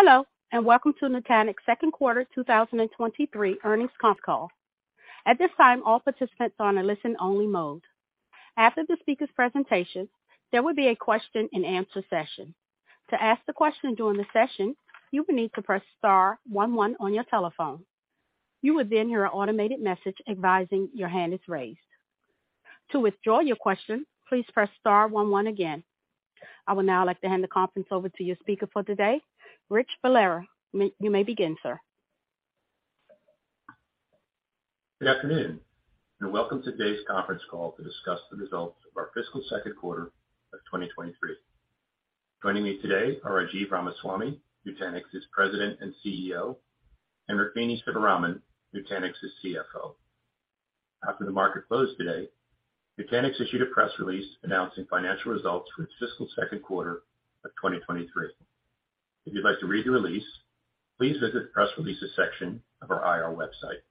Hello, welcome to Nutanix second quarter 2023 earnings conference call. At this time, all participants are on a listen-only mode. After the speaker's presentation, there will be a question-and-answer session. To ask the question during the session, you will need to press star one one on your telephone. You will hear an automated message advising your hand is raised. To withdraw your question, please press star one one again. I would now like to hand the conference over to your speaker for today, Rich Valera. You may begin, sir. Good afternoon. Welcome to today's conference call to discuss the results of our fiscal second quarter of 2023. Joining me today are Rajiv Ramaswami, Nutanix's President and CEO, and Rukmini Sivaraman, Nutanix's CFO. After the market closed today, Nutanix issued a press release announcing financial results for the fiscal second quarter of 2023. If you'd like to read the release, please visit the Press Releases section of our IR website.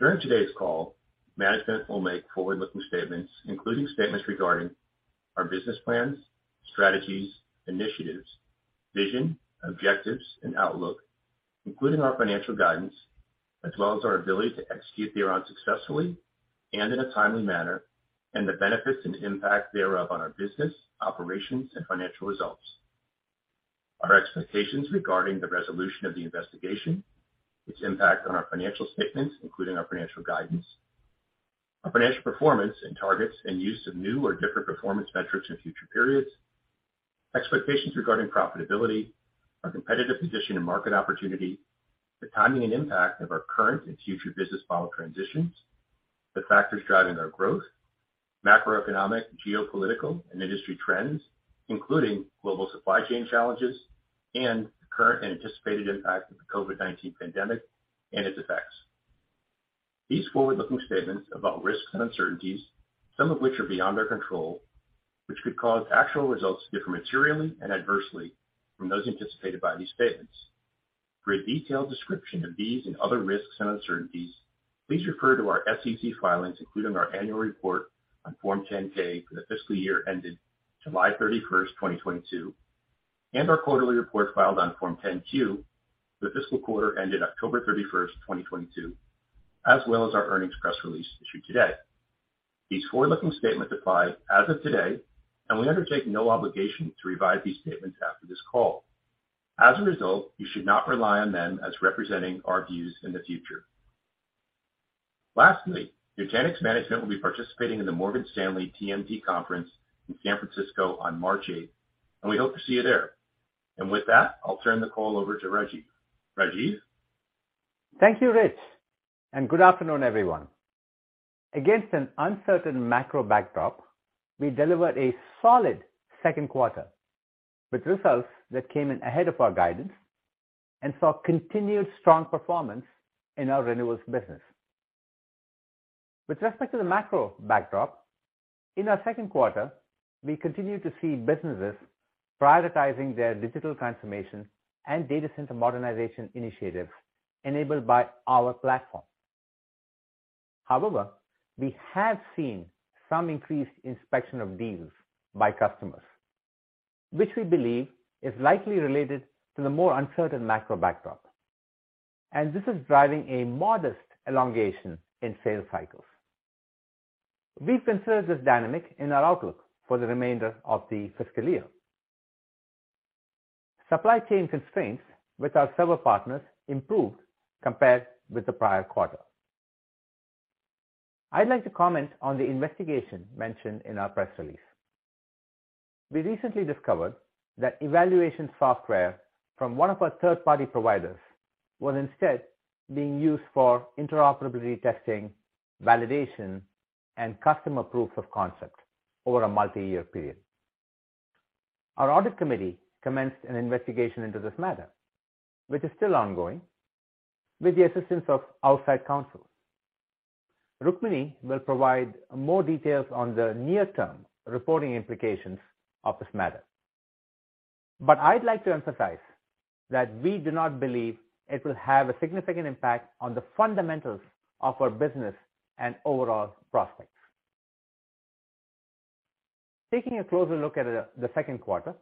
During today's call, management will make forward-looking statements, including statements regarding our business plans, strategies, initiatives, vision, objectives, and outlook, including our financial guidance, as well as our ability to execute thereon successfully and in a timely manner, and the benefits and impact thereof on our business, operations, and financial results. Our expectations regarding the resolution of the investigation, its impact on our financial statements, including our financial guidance, our financial performance and targets and use of new or different performance metrics in future periods, expectations regarding profitability, our competitive position and market opportunity, the timing and impact of our current and future business model transitions, the factors driving our growth, macroeconomic, geopolitical, and industry trends, including global supply chain challenges, and the current and anticipated impact of the COVID-19 pandemic and its effects. These forward-looking statements about risks and uncertainties, some of which are beyond our control, which could cause actual results to differ materially and adversely from those anticipated by these statements. For a detailed description of these and other risks and uncertainties, please refer to our SEC filings, including our annual report on Form 10-K for the fiscal year ended July 31st, 2022, and our quarterly reports filed on Form 10-Q for the fiscal quarter ended October 31st, 2022, as well as our earnings press release issued today. These forward-looking statements apply as of today. We undertake no obligation to revise these statements after this call. As a result, you should not rely on them as representing our views in the future. Lastly, Nutanix management will be participating in the Morgan Stanley TMT Conference in San Francisco on March 8th. We hope to see you there. With that, I'll turn the call over to Rajiv. Rajiv? Thank you, Rich. Good afternoon, everyone. Against an uncertain macro backdrop, we delivered a solid second quarter with results that came in ahead of our guidance and saw continued strong performance in our renewables business. With respect to the macro backdrop, in our second quarter, we continued to see businesses prioritizing their digital transformation and data center modernization initiatives enabled by our platform. However, we have seen some increased inspection of deals by customers, which we believe is likely related to the more uncertain macro backdrop. This is driving a modest elongation in sales cycles. We've considered this dynamic in our outlook for the remainder of the fiscal year. Supply chain constraints with our server partners improved compared with the prior quarter. I'd like to comment on the investigation mentioned in our press release. We recently discovered that evaluation software from one of our third-party providers was instead being used for interoperability testing, validation, and customer proofs of concept over a multi-year period. Our audit committee commenced an investigation into this matter, which is still ongoing, with the assistance of outside counsel. Rukmini will provide more details on the near-term reporting implications of this matter. I'd like to emphasize that we do not believe it will have a significant impact on the fundamentals of our business and overall prospects. Taking a closer look at the second quarter,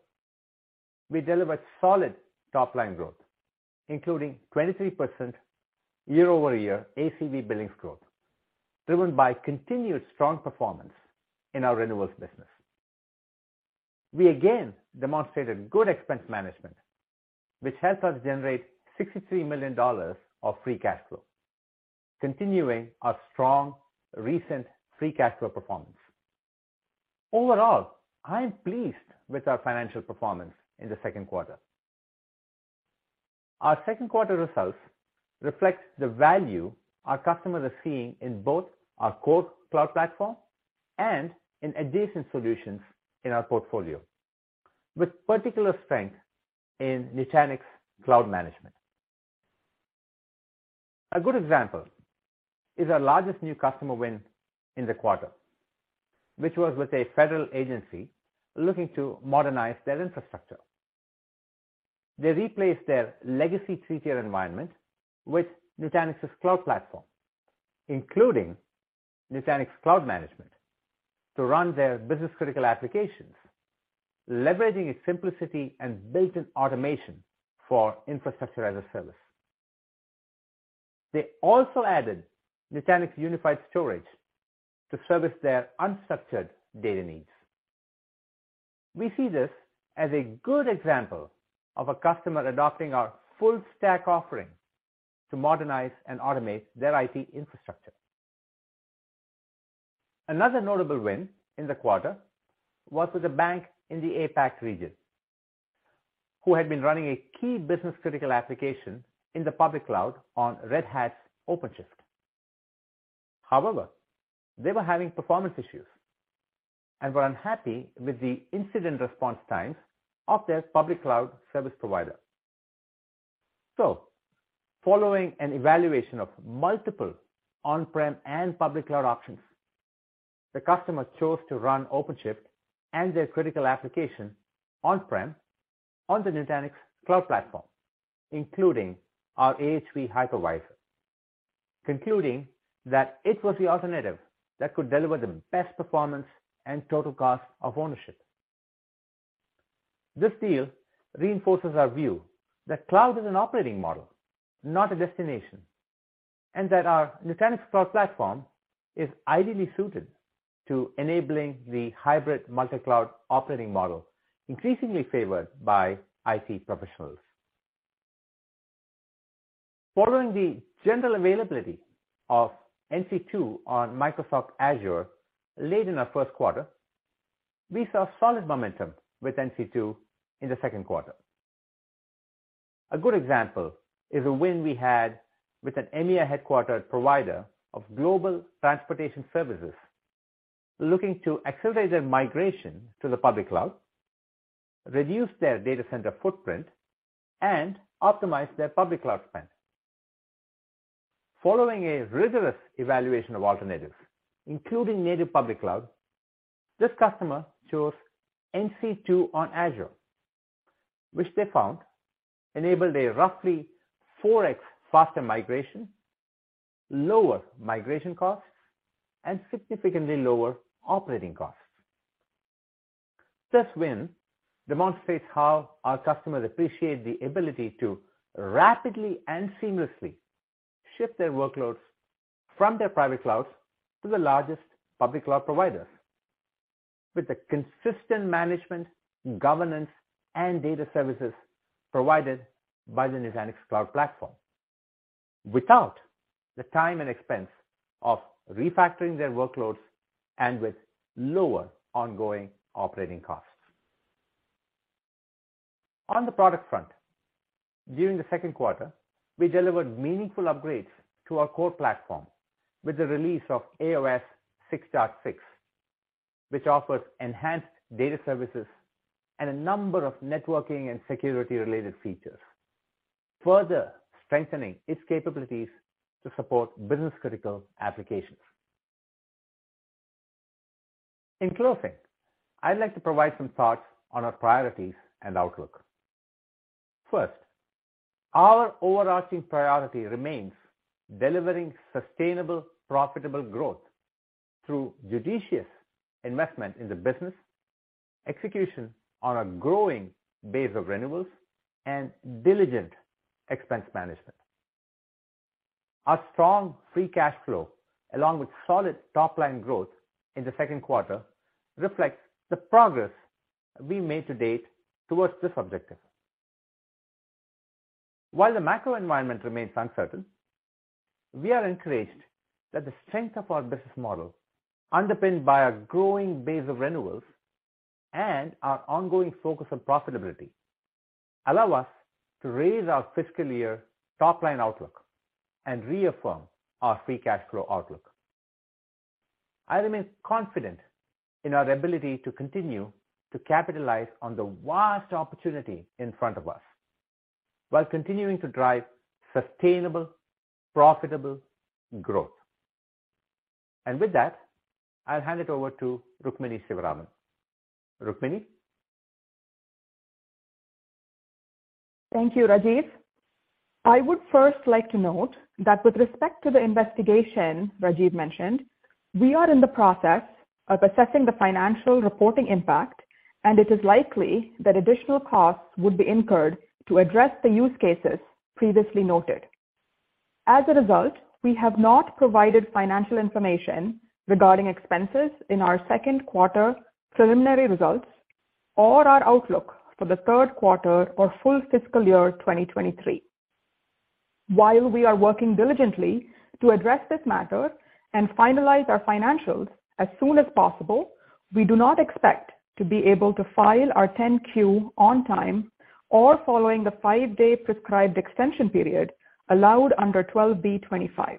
we delivered solid top-line growth, including 23% year-over-year ACV billings growth, driven by continued strong performance in our renewables business. We again demonstrated good expense management, which helped us generate $63 million of free cash flow, continuing our strong recent free cash flow performance. Overall, I am pleased with our financial performance in the second quarter. Our second quarter results reflect the value our customers are seeing in both our core Cloud Platform and in adjacent solutions in our portfolio, with particular strength in Nutanix Cloud Manager. A good example is our largest new customer win in the quarter, which was with a federal agency looking to modernize their infrastructure. They replaced their legacy three-tier environment with Nutanix's Cloud Platform, including Nutanix Cloud Manager to run their business-critical applications, leveraging its simplicity and built-in automation for infrastructure as a service. They also added Nutanix Unified Storage to service their unstructured data needs. We see this as a good example of a customer adopting our full stack offering to modernize and automate their IT infrastructure. Another notable win in the quarter was with a bank in the APAC region, who had been running a key business-critical application in the public cloud on Red Hat's OpenShift. However, they were having performance issues and were unhappy with the incident response times of their public cloud service provider. Following an evaluation of multiple on-prem and public cloud options, the customer chose to run OpenShift and their critical application on-prem on the Nutanix Cloud Platform, including our AHV hypervisor, concluding that it was the alternative that could deliver the best performance and total cost of ownership. This deal reinforces our view that cloud is an operating model, not a destination, and that our Nutanix Cloud Platform is ideally suited to enabling the hybrid multi-cloud operating model increasingly favored by IT professionals. Following the general availability of NC2 on Microsoft Azure late in our first quarter, we saw solid momentum with NC2 in the second quarter. A good example is a win we had with an EMEA-headquartered provider of global transportation services looking to accelerate their migration to the public cloud, reduce their data center footprint, and optimize their public cloud spend. Following a rigorous evaluation of alternatives, including native public cloud, this customer chose NC2 on Azure, which they found enabled a roughly 4x faster migration, lower migration costs, and significantly lower operating costs. This win demonstrates how our customers appreciate the ability to rapidly and seamlessly shift their workloads from their private clouds to the largest public cloud providers with the consistent management, governance, and data services provided by the Nutanix Cloud Platform without the time and expense of refactoring their workloads and with lower ongoing operating costs. On the product front, during the second quarter, we delivered meaningful upgrades to our core platform with the release of AOS 6.6, which offers enhanced data services and a number of networking and security-related features, further strengthening its capabilities to support business-critical applications. In closing, I'd like to provide some thoughts on our priorities and outlook. First, our overarching priority remains delivering sustainable, profitable growth through judicious investment in the business, execution on our growing base of renewals, and diligent expense management. Our strong free cash flow, along with solid top-line growth in the second quarter, reflects the progress we made to date towards this objective. While the macro environment remains uncertain, we are encouraged that the strength of our business model, underpinned by our growing base of renewals and our ongoing focus on profitability, allow us to raise our fiscal year top-line outlook and reaffirm our free cash flow outlook. I remain confident in our ability to continue to capitalize on the vast opportunity in front of us while continuing to drive sustainable, profitable growth. With that, I'll hand it over to Rukmini Sivaraman. Rukmini? Thank you, Rajiv. I would first like to note that with respect to the investigation Rajiv mentioned, we are in the process of assessing the financial reporting impact. It is likely that additional costs would be incurred to address the use cases previously noted. As a result, we have not provided financial information regarding expenses in our second quarter preliminary results or our outlook for the third quarter or full fiscal year 2023. While we are working diligently to address this matter and finalize our financials as soon as possible, we do not expect to be able to file our 10-Q on time or following the five-day prescribed extension period allowed under 12b-25.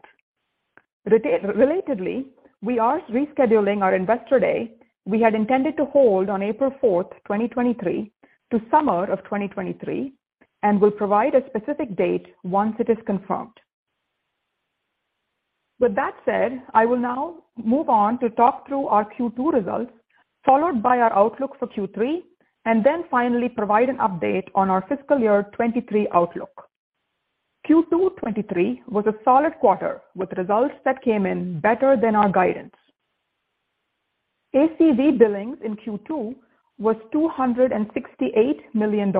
Relatedly, we are rescheduling our Investor Day we had intended to hold on April 4th, 2023, to summer of 2023. We'll provide a specific date once it is confirmed. With that said, I will now move on to talk through our Q2 results, followed by our outlook for Q3, and then finally provide an update on our fiscal year 2023 outlook. Q2 2023 was a solid quarter with results that came in better than our guidance. ACV billings in Q2 was $268 million,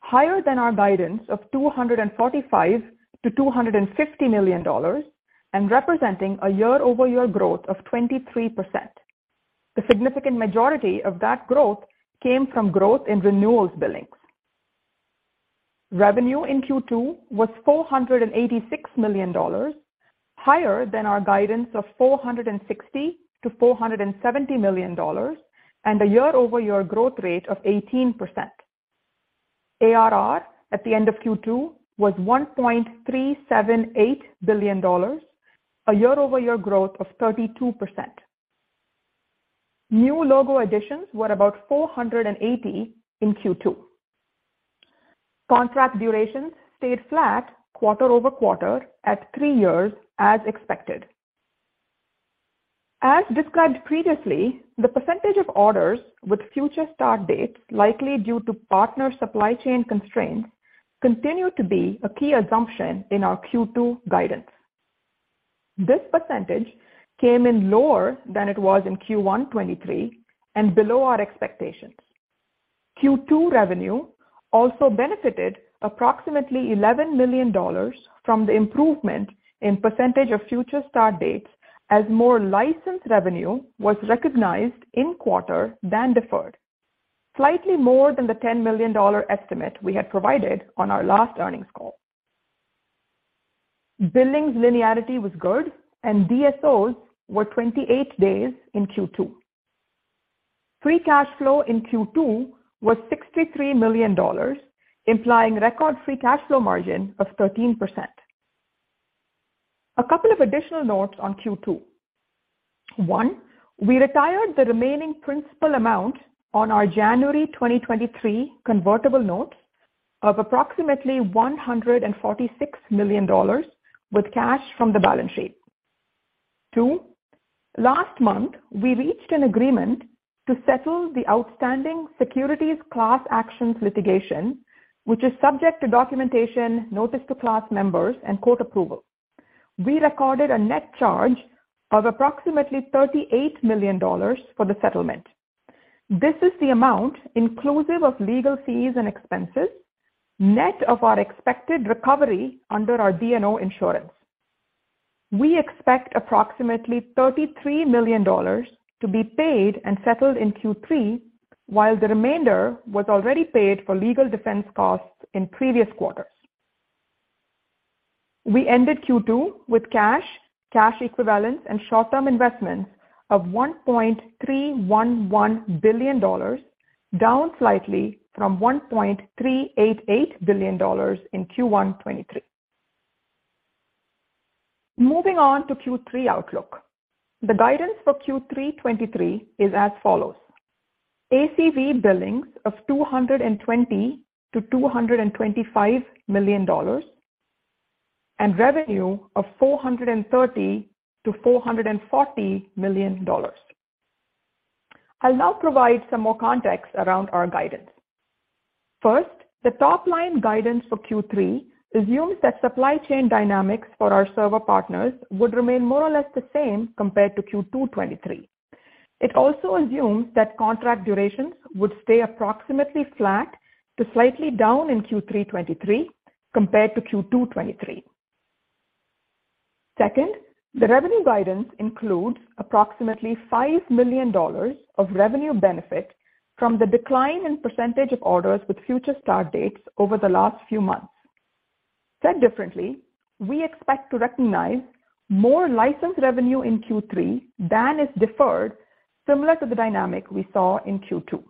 higher than our guidance of $245 million-$250 million, and representing a year-over-year growth of 23%. The significant majority of that growth came from growth in renewals billings. Revenue in Q2 was $486 million, higher than our guidance of $460 million-$470 million, and a year-over-year growth rate of 18%. ARR at the end of Q2 was $1.378 billion, a year-over-year growth of 32%. New logo additions were about 480 in Q2. Contract durations stayed flat quarter-over-quarter at three years as expected. As described previously, the percentage of orders with future start dates likely due to partner supply chain constraints continue to be a key assumption in our Q2 guidance. This percentage came in lower than it was in Q1 2023 and below our expectations. Q2 revenue also benefited approximately $11 million from the improvement in percentage of future start dates as more licensed revenue was recognized in quarter than deferred. Slightly more than the $10 million estimate we had provided on our last earnings call. Billings linearity was good and DSOs were 28 days in Q2. Free cash flow in Q2 was $63 million, implying record free cash flow margin of 13%. A couple of additional notes on Q2. One, we retired the remaining principal amount on our January 2023 convertible notes of approximately $146 million with cash from the balance sheet. Two, last month, we reached an agreement to settle the outstanding securities class actions litigation, which is subject to documentation, notice to class members, and court approval. We recorded a net charge of approximately $38 million for the settlement. This is the amount inclusive of legal fees and expenses, net of our expected recovery under our D&O insurance. We expect approximately $33 million to be paid and settled in Q3, while the remainder was already paid for legal defense costs in previous quarters. We ended Q2 with cash equivalents, and short-term investments of $1.311 billion, down slightly from $1.388 billion in Q1 2023. Moving on to Q3 outlook. The guidance for Q3 2023 is as follows: ACV billings of $220 million-$225 million and revenue of $430 million-$440 million. I'll now provide some more context around our guidance. First, the top-line guidance for Q3 assumes that supply chain dynamics for our server partners would remain more or less the same compared to Q2 2023. It also assumes that contract durations would stay approximately flat to slightly down in Q3 2023 compared to Q2 2023. The revenue guidance includes approximately $5 million of revenue benefit from the decline in percentage of orders with future start dates over the last few months. Said differently, we expect to recognize more license revenue in Q3 than is deferred, similar to the dynamic we saw in Q2.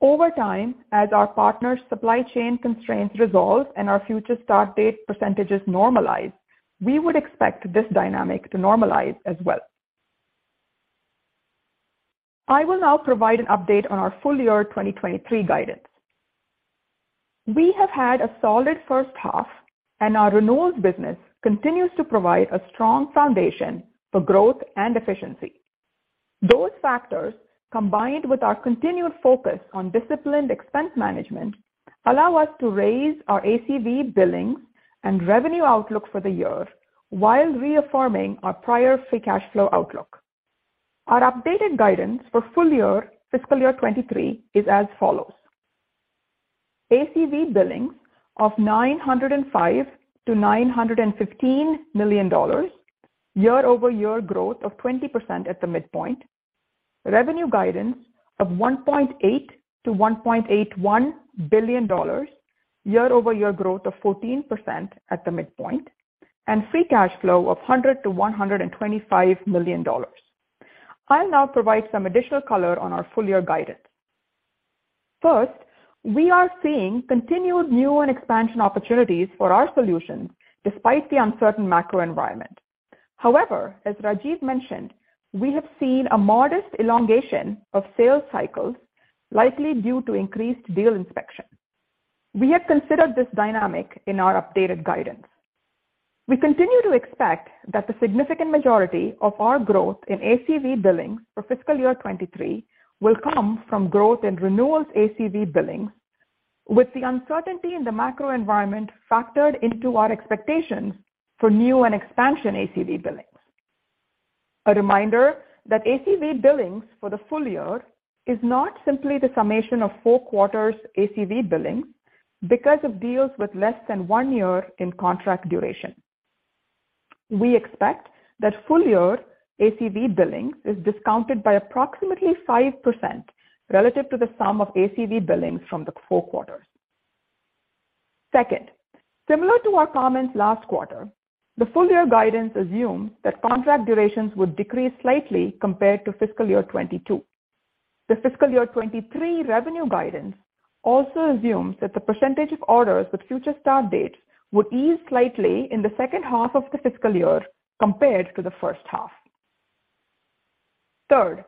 Over time, as our partners' supply chain constraints resolve and our future start date percentages normalize, we would expect this dynamic to normalize as well. I will now provide an update on our full-year 2023 guidance. We have had a solid first half, and our renewals business continues to provide a strong foundation for growth and efficiency. Those factors, combined with our continued focus on disciplined expense management, allow us to raise our ACV billings and revenue outlook for the year while reaffirming our prior free cash flow outlook. Our updated guidance for full-year fiscal year 2023 is as follows: ACV billings of $905 million-$915 million, year-over-year growth of 20% at the midpoint, revenue guidance of $1.8 billion-$1.81 billion, year-over-year growth of 14% at the midpoint, and free cash flow of $100 million-$125 million. I'll now provide some additional color on our full-year guidance. First, we are seeing continued new and expansion opportunities for our solutions despite the uncertain macro environment. However, as Rajiv mentioned, we have seen a modest elongation of sales cycles, likely due to increased deal inspection. We have considered this dynamic in our updated guidance. We continue to expect that the significant majority of our growth in ACV billings for fiscal year 2023 will come from growth in renewals ACV billings, with the uncertainty in the macro environment factored into our expectations for new and expansion ACV billings. A reminder that ACV billings for the full year is not simply the summation of four quarters ACV billings because of deals with less than one year in contract duration. We expect that full-year ACV billings is discounted by approximately 5% relative to the sum of ACV billings from the four quarters. Second, similar to our comments last quarter, the full-year guidance assumes that contract durations would decrease slightly compared to fiscal year 2022. The fiscal year 2023 revenue guidance also assumes that the percentage of orders with future start dates would ease slightly in the second half of the fiscal year compared to the first half. Third,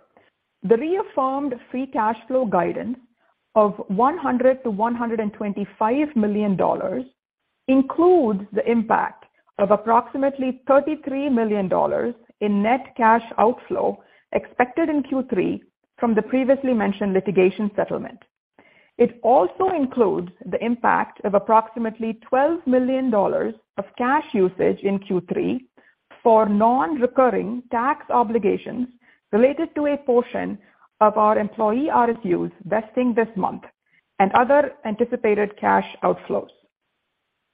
the reaffirmed free cash flow guidance of $100 million-$125 million includes the impact of approximately $33 million in net cash outflow expected in Q3 from the previously mentioned litigation settlement. It also includes the impact of approximately $12 million of cash usage in Q3 for non-recurring tax obligations related to a portion of our employee RSUs vesting this month and other anticipated cash outflows.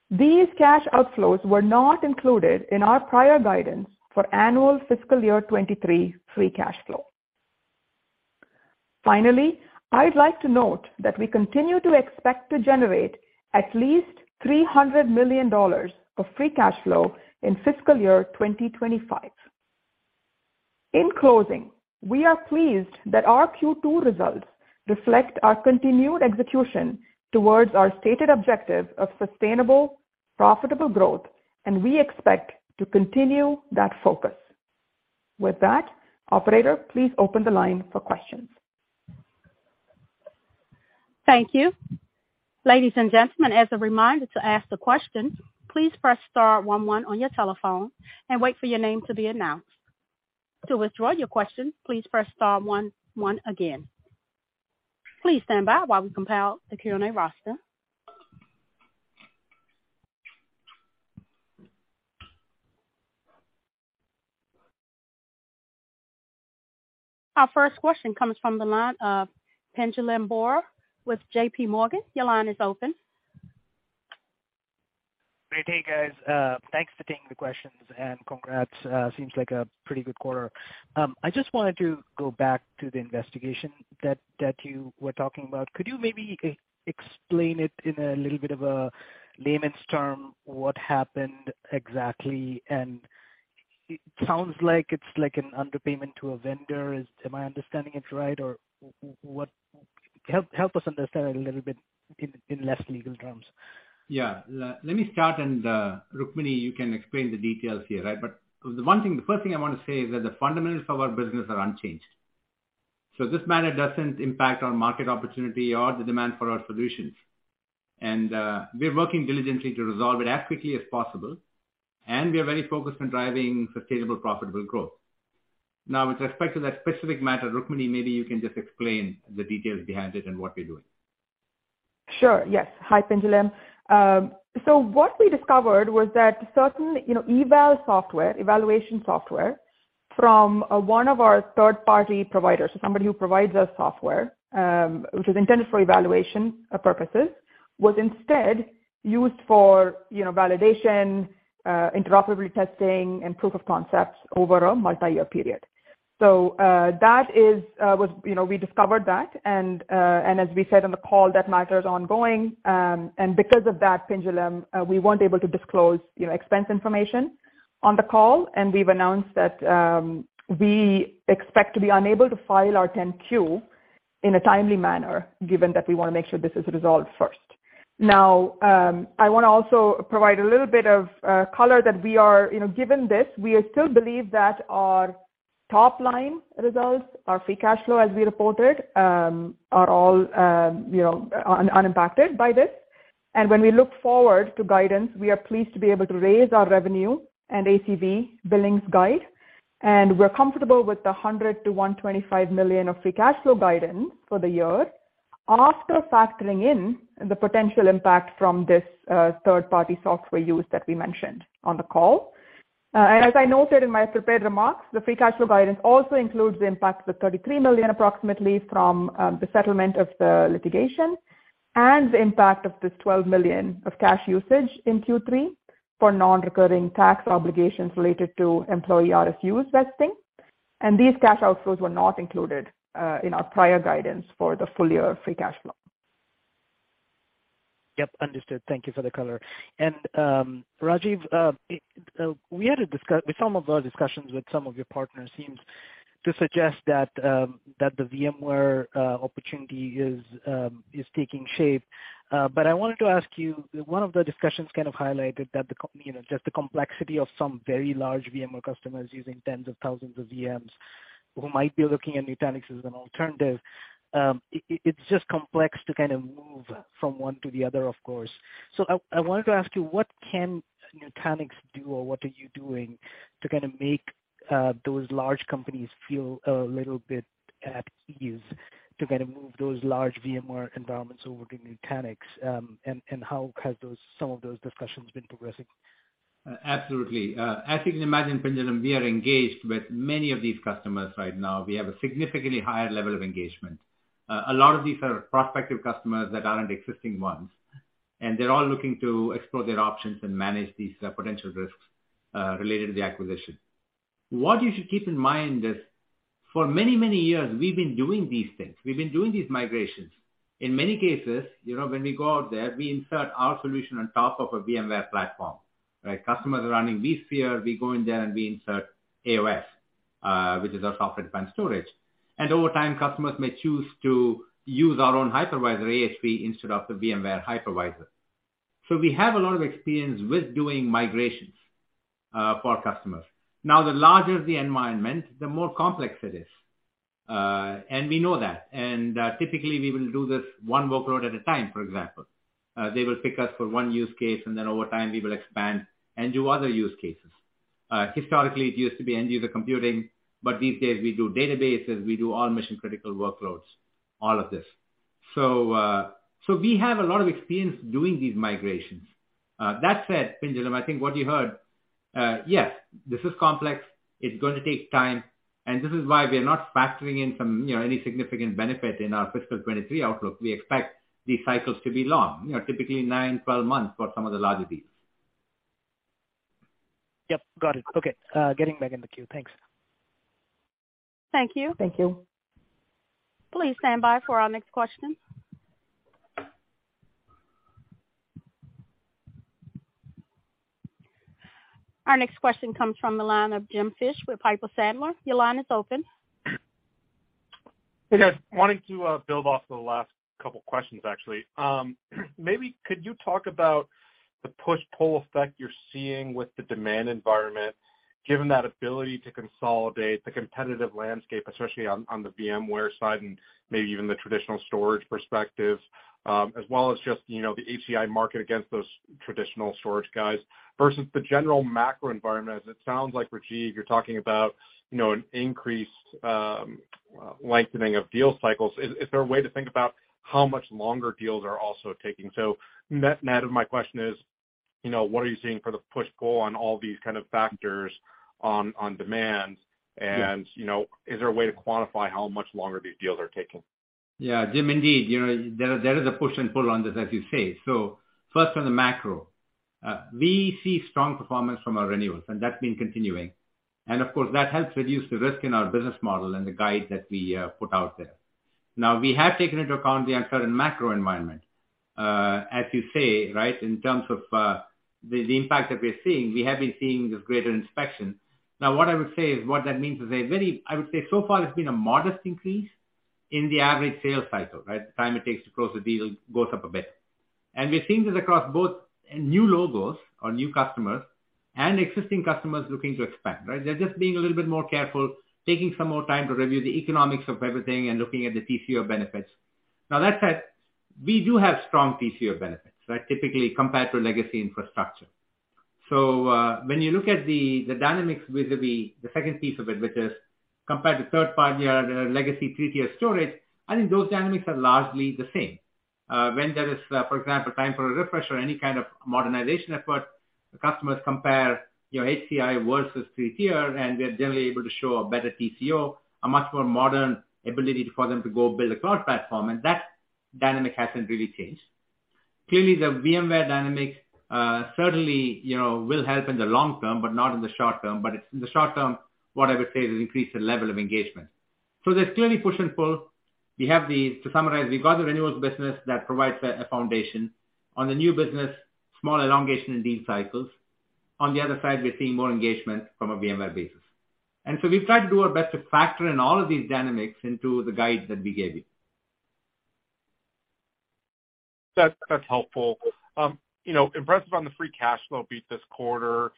These cash outflows were not included in our prior guidance for annual fiscal year 2023 free cash flow. Finally, I'd like to note that we continue to expect to generate at least $300 million of free cash flow in fiscal year 2025. In closing, we are pleased that our Q2 results reflect our continued execution towards our stated objective of sustainable, profitable growth, and we expect to continue that focus. With that, operator, please open the line for questions. Thank you. Ladies and gentlemen, as a reminder to ask the question, please press star one one on your telephone and wait for your name to be announced. To withdraw your question, please press star one one again. Please stand by while we compile the Q&A roster. Our first question comes from the line of Pinjalim Bora with JPMorgan. Your line is open. Great day, guys. Thanks for taking the questions and congrats. Seems like a pretty good quarter. I just wanted to go back to the investigation that you were talking about. Could you maybe explain it in a little bit of a layman's term, what happened exactly? It sounds like it's like an underpayment to a vendor. Am I understanding it right? Or what? Help us understand a little bit in less legal terms. Let me start and Rukmini, you can explain the details here, right? The one thing, the first thing I want to say is that the fundamentals of our business are unchanged. This matter doesn't impact our market opportunity or the demand for our solutions. We are working diligently to resolve it as quickly as possible, and we are very focused on driving sustainable, profitable growth. With respect to that specific matter, Rukmini, maybe you can just explain the details behind it and what we're doing. Sure, yes. Hi, Pinjalim. What we discovered was that certain, you know, eval software, evaluation software from one of our third-party providers, somebody who provides us software, which is intended for evaluation purposes, was instead used for, you know, validation, interoperability testing and proof of concepts over a multi-year period. That is, was, you know, we discovered that. As we said on the call, that matter is ongoing. Because of that, Pinjalim, we weren't able to disclose, you know, expense information on the call. We've announced that we expect to be unable to file our Form 10-Q in a timely manner, given that we wanna make sure this is resolved first. Now, I wanna also provide a little bit of color that we are, you know, given this, we still believe that our top line results, our free cash flow, as we reported, are all, you know, unimpacted by this. When we look forward to guidance, we are pleased to be able to raise our revenue and ACV billings guide. We're comfortable with the $100 million-$125 million of free cash flow guidance for the year after factoring in the potential impact from this third-party software use that we mentioned on the call. As I noted in my prepared remarks, the free cash flow guidance also includes the impact of the $33 million approximately from the settlement of the litigation and the impact of this $12 million of cash usage in Q3 for non-recurring tax obligations related to employee RSU vesting. These cash outflows were not included in our prior guidance for the full-year free cash flow. Yep, understood. Thank you for the color. Rajiv, Some of our discussions with some of your partners seems to suggest that the VMware opportunity is taking shape. But I wanted to ask you, one of the discussions kind of highlighted that the you know, just the complexity of some very large VMware customers using tens of thousands of VMs. Who might be looking at Nutanix as an alternative. It's just complex to kind of move from one to the other, of course. I wanted to ask you, what can Nutanix do or what are you doing to kind of make those large companies feel a little bit at ease to kind of move those large VMware environments over to Nutanix? How have some of those discussions been progressing? Absolutely. As you can imagine, Pinjalim, we are engaged with many of these customers right now. We have a significantly higher level of engagement. A lot of these are prospective customers that aren't existing ones, and they're all looking to explore their options and manage these potential risks related to the acquisition. What you should keep in mind is for many, many years, we've been doing these things. We've been doing these migrations. In many cases, you know, when we go out there, we insert our solution on top of a VMware platform, right? Customers are running vSphere, we go in there and we insert AOS, which is our software-defined storage. And over time, customers may choose to use our own hypervisor, AHV, instead of the VMware hypervisor. So we have a lot of experience with doing migrations for our customers. The larger the environment, the more complex it is, and we know that. Typically we will do this one workload at a time, for example. They will pick us for one use case, and then over time, we will expand and do other use cases. Historically, it used to be end user computing, but these days we do databases, we do all mission-critical workloads, all of this. So we have a lot of experience doing these migrations. That said, Pinjalim, I think what you heard, yes, this is complex. It's going to take time, and this is why we are not factoring in some, you know, any significant benefit in our fiscal 2023 outlook. We expect these cycles to be long. You know, typically nine, 12 months for some of the larger deals. Yep, got it. Okay, getting back in the queue. Thanks. Thank you. Thank you. Please stand by for our next question. Our next question comes from the line of James Fish with Piper Sandler. Your line is open. Hey, guys. Wanted to build off of the last couple questions, actually. Maybe could you talk about the push-pull effect you're seeing with the demand environment, given that ability to consolidate the competitive landscape, especially on the VMware side and maybe even the traditional storage perspective, as well as just, you know, the HCI market against those traditional storage guys versus the general macro environment. As it sounds like, Rajiv, you're talking about, you know, an increased lengthening of deal cycles. Is there a way to think about how much longer deals are also taking? Net, net of my question is, you know, what are you seeing for the push-pull on all these kind of factors on demand? You know, is there a way to quantify how much longer these deals are taking? Jim, indeed, you know, there is a push and pull on this, as you say. First on the macro. We see strong performance from our renewals, and that's been continuing. Of course, that helps reduce the risk in our business model and the guide that we put out there. We have taken into account the uncertain macro environment, as you say, right? In terms of the impact that we're seeing, we have been seeing this greater inspection. What I would say is what that means is a very... I would say so far it's been a modest increase in the average sales cycle, right? The time it takes to close a deal goes up a bit. We've seen this across both new logos or new customers and existing customers looking to expand, right? They're just being a little bit more careful, taking some more time to review the economics of everything and looking at the TCO benefits. That said, we do have strong TCO benefits, right? Typically compared to legacy infrastructure. When you look at the dynamics vis-a-vis the second piece of it, which is compared to third-party or legacy three-tier storage, I think those dynamics are largely the same. When there is, for example, time for a refresh or any kind of modernization effort, the customers compare, you know, HCI versus three-tier, and we are generally able to show a better TCO, a much more modern ability for them to go build a cloud platform. That dynamic hasn't really changed. Clearly, the VMware dynamic, certainly, you know, will help in the long term, but not in the short term. It's in the short term, what I would say is increase the level of engagement. There's clearly push and pull. To summarize, we've got the renewals business that provides a foundation. On the new business, small elongation in deal cycles. On the other side, we're seeing more engagement from a VMware basis. We've tried to do our best to factor in all of these dynamics into the guide that we gave you. That's helpful. You know, impressive on the free cash flow beat this quarter.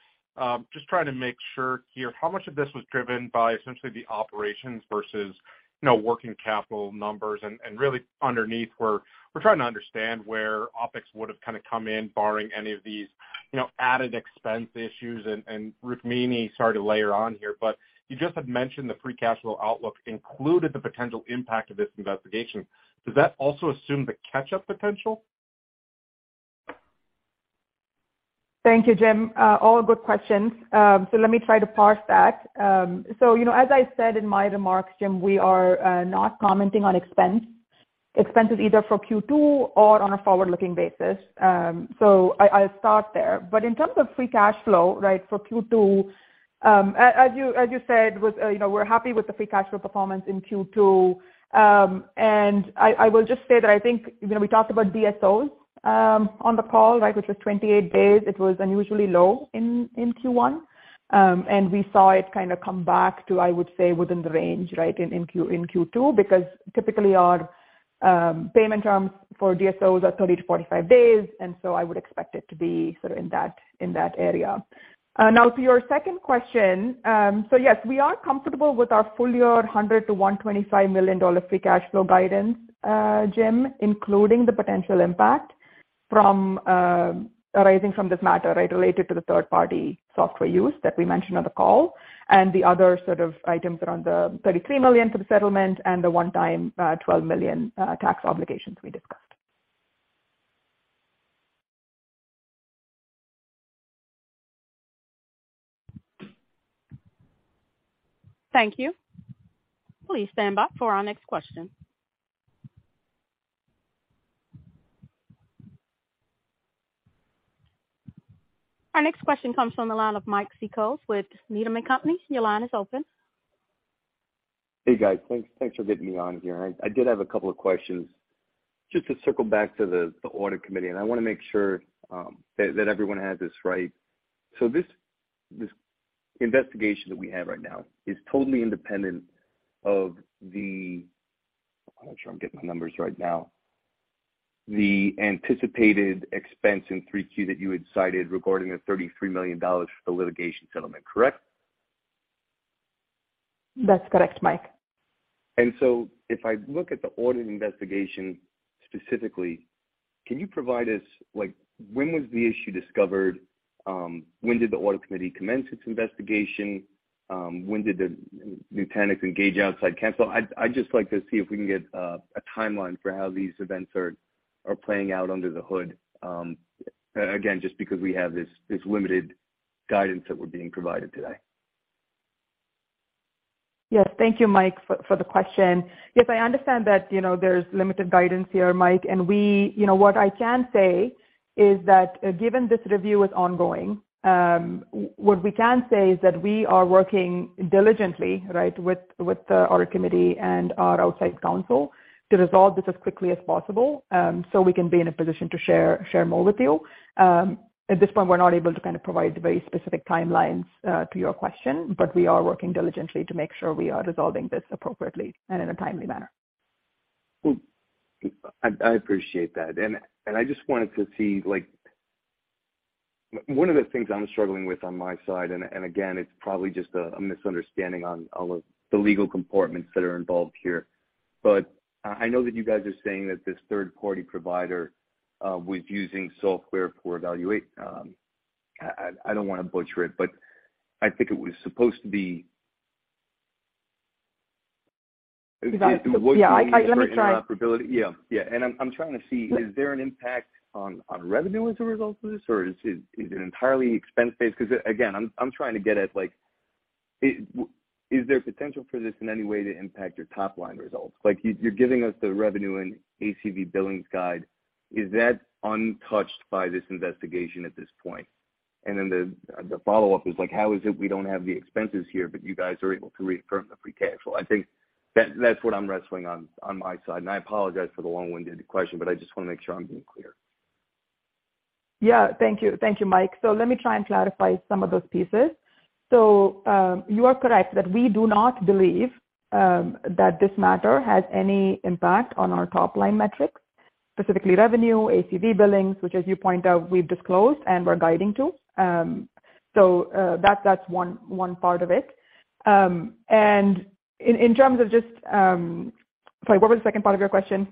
Just trying to make sure here, how much of this was driven by essentially the operations versus, you know, working capital numbers? Really underneath where we're trying to understand where OpEx would have kind of come in barring any of these, you know, added expense issues. Rukmini, sorry to layer on here, but you just had mentioned the free cash flow outlook included the potential impact of this investigation. Does that also assume the catch-up potential? Thank you, Jim. All good questions. Let me try to parse that. You know, as I said in my remarks, Jim, we are not commenting on expenses either for Q2 or on a forward-looking basis. I'll start there. In terms of free cash flow, right, for Q2, as you said, with, you know, we're happy with the free cash flow performance in Q2. And I will just say that I think, you know, we talked about DSOs on the call, right, which was 28 days. It was unusually low in Q1. And we saw it kind of come back to, I would say, within the range, right, in Q2. Because typically our payment terms for DSOs are 30-45 days, and so I would expect it to be sort of in that area Now to your second question. Yes, we are comfortable with our full-year $100 million-$125 million free cash flow guidance, Jim, including the potential impact from arising from this matter, right, related to the third-party software use that we mentioned on the call, and the other sort of items around the $33 million for the settlement and the one-time, $12 million tax obligations we discussed. Thank you. Please stand by for our next question. Our next question comes from the line of Mike Cikos with Needham & Company. Your line is open. Hey, guys. Thanks for getting me on here. I did have a couple of questions. Just to circle back to the audit committee, and I wanna make sure that everyone has this right. This investigation that we have right now is totally independent of the... I wanna make sure I'm getting my numbers right now. The anticipated expense in 3Q that you had cited regarding the $33 million for the litigation settlement, correct? That's correct, Mike. If I look at the audit investigation specifically, can you provide us like when was the issue discovered? When did the audit committee commence its investigation? When did the Nutanix engage outside counsel? I'd just like to see if we can get a timeline for how these events are playing out under the hood. Again, just because we have this limited guidance that we're being provided today. Yes. Thank you Mike for the question. Yes, I understand that, you know, there's limited guidance here, Mike, You know what I can say is that given this review is ongoing, what we can say is that we are working diligently, right, with our committee and our outside counsel to resolve this as quickly as possible, so we can be in a position to share more with you. At this point, we're not able to kinda provide the very specific timelines to your question, but we are working diligently to make sure we are resolving this appropriately and in a timely manner. Well, I appreciate that. I just wanted to see like, one of the things I'm struggling with on my side, and again, it's probably just a misunderstanding on all of the legal comportments that are involved here. I know that you guys are saying that this third-party provider was using software for evaluate. I don't wanna butcher it, but I think it was supposed to be. Got it. Yeah. I let me try. interoperability. Yeah. Yeah. I'm trying to see, is there an impact on revenue as a result of this? Is it entirely expense based? 'Cause again, I'm trying to get at like, is there potential for this in any way to impact your top line results? Like you're giving us the revenue and ACV billings guide. Is that untouched by this investigation at this point? The follow-up is like, how is it we don't have the expenses here, but you guys are able to reaffirm the free cash flow? I think that's what I'm wrestling on my side. I apologize for the long-winded question, but I just wanna make sure I'm being clear. Yeah. Thank you. Thank you, Mike. Let me try and clarify some of those pieces. You are correct that we do not believe that this matter has any impact on our top line metrics, specifically revenue, ACV billings, which as you point out, we've disclosed and we're guiding to. That's one part of it. In terms of just. Sorry, what was the second part of your question?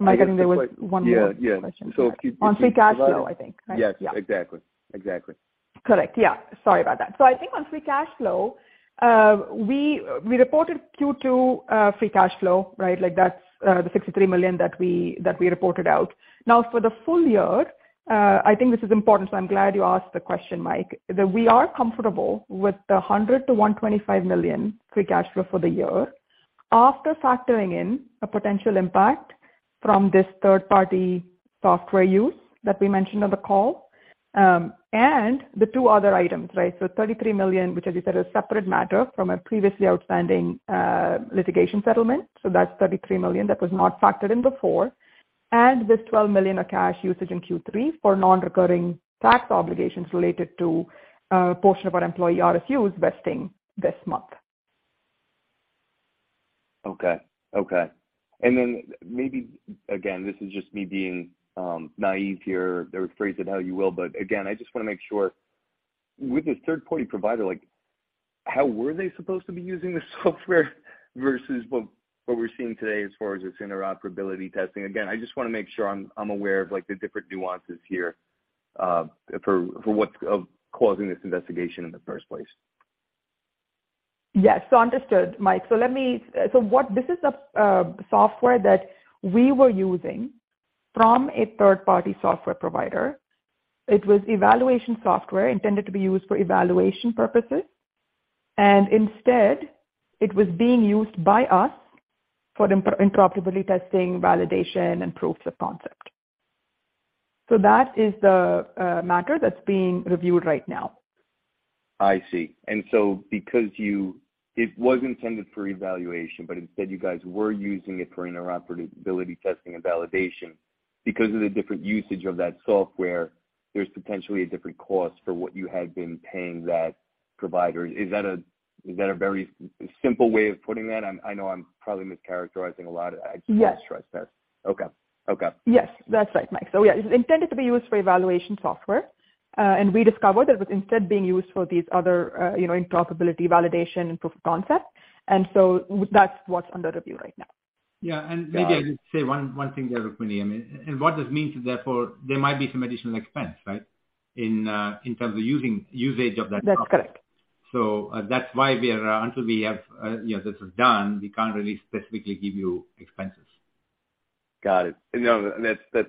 Am I getting there was one more question? Yeah. Yeah. On free cash flow, I think. Yes, exactly. Exactly. Correct. Yeah. Sorry about that. I think on free cash flow, we reported Q2 free cash flow, right? Like that's the $63 million that we reported out. For the full year, I think this is important, so I'm glad you asked the question, Mike. We are comfortable with the $100 million-$125 million free cash flow for the year after factoring in a potential impact from this third-party software use that we mentioned on the call, and the two other items, right? $33 million, which as you said, is separate matter from a previously outstanding litigation settlement. That's $33 million that was not factored in before. This $12 million of cash usage in Q3 for non-recurring tax obligations related to a portion of our employee RSUs vesting this month. Okay. Okay. Maybe, again, this is just me being naive here or phrase it how you will, but again, I just wanna make sure with the third-party provider, like how were they supposed to be using the software versus what we're seeing today as far as its interoperability testing? Again, I just wanna make sure I'm aware of like the different nuances here for what's causing this investigation in the first place. Yes. Understood, Mike. This is a software that we were using from a third-party software provider. It was evaluation software intended to be used for evaluation purposes, and instead it was being used by us for interoperability testing, validation and proof of concept. That is the matter that's being reviewed right now. I see. Because you it was intended for evaluation, but instead you guys were using it for interoperability testing and validation. Because of the different usage of that software, there's potentially a different cost for what you had been paying. Provider. Is that a very simple way of putting that? I know I'm probably mischaracterizing a lot. Yes. I just wanna stress that. Okay. Okay. Yes, that's right, Mike. Yeah, it was intended to be used for evaluation software, and we discovered it was instead being used for these other, you know, interoperability validation and proof of concept. That's what's under review right now. Maybe I'll just say one thing there, Rukmini. I mean, what this means is therefore there might be some additional expense, right, in terms of usage of that software. That's correct. That's why we are, until we have, you know, this is done, we can't really specifically give you expenses. Got it. No, that's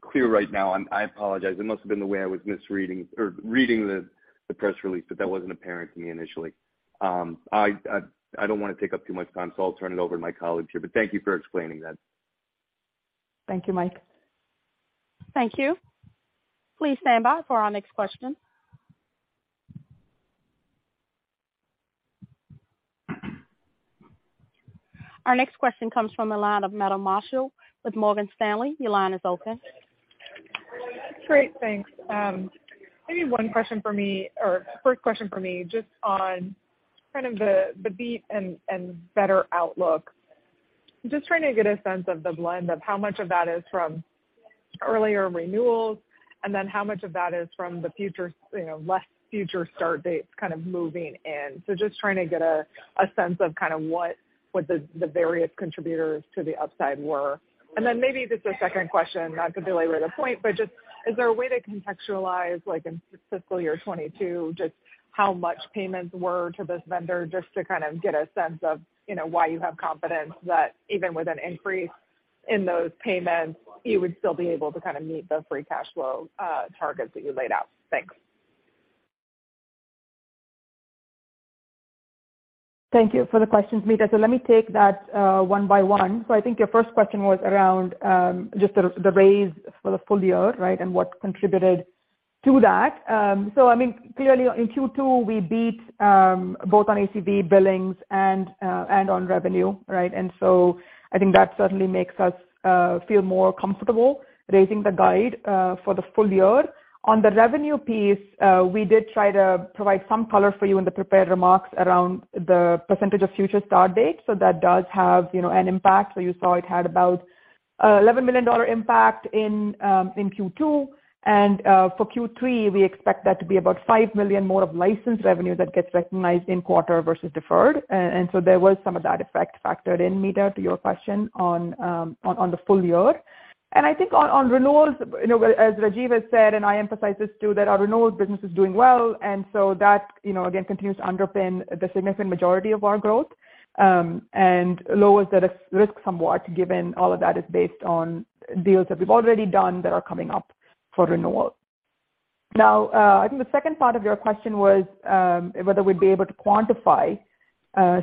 clear right now. I apologize. It must have been the way I was misreading or reading the press release, but that wasn't apparent to me initially. I don't wanna take up too much time, so I'll turn it over to my colleague here. Thank you for explaining that. Thank you, Mike. Thank you. Please stand by for our next question. Our next question comes from the line of Meta Marshall with Morgan Stanley. Your line is open. Great. Thanks. Maybe one question for me or first question from me just on kind of the beat and better outlook. Just trying to get a sense of the blend of how much of that is from earlier renewals, and then how much of that is from the future, you know, less future start dates kind of moving in. Just trying to get a sense of kind of what the various contributors to the upside were. Maybe just a second question, not to belabor the point, but just is there a way to contextualize, like in fiscal year 2022, just how much payments were to this vendor, just to kind of get a sense of, you know, why you have confidence that even with an increase in those payments, you would still be able to kind of meet the free cash flow targets that you laid out. Thanks. Thank you for the questions, Meta. Let me take that one by one. I think your first question was around just the raise for the full year, right? What contributed to that? I mean, clearly in Q2, we beat both on ACV billings and on revenue, right? I think that certainly makes us feel more comfortable raising the guide for the full year. On the revenue piece, we did try to provide some color for you in the prepared remarks around the percentage of future start dates. That does have, you know, an impact. You saw it had about $11 million impact in Q2. For Q3, we expect that to be about $5 million more of licensed revenue that gets recognized in quarter versus deferred. There was some of that effect factored in, Meta, to your question on the full year. I think on renewals, you know, as Rajiv has said, and I emphasize this too, that our renewals business is doing well. That, you know, again, continues to underpin the significant majority of our growth, and lowers the risk somewhat given all of that is based on deals that we've already done that are coming up for renewal. Now, I think the second part of your question was, whether we'd be able to quantify,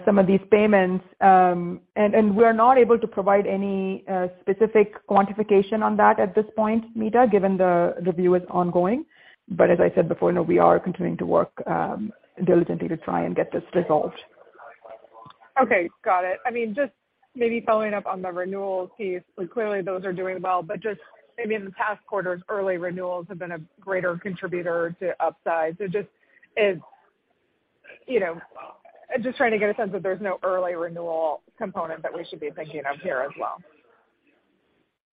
some of these payments, and we're not able to provide any, specific quantification on that at this point, Meta, given the review is ongoing. As I said before, no, we are continuing to work diligently to try and get this resolved. Okay, got it. I mean, just maybe following up on the renewals piece, like clearly those are doing well, but just maybe in the past quarters, early renewals have been a greater contributor to upside. You know, just trying to get a sense if there's no early renewal component that we should be thinking of here as well.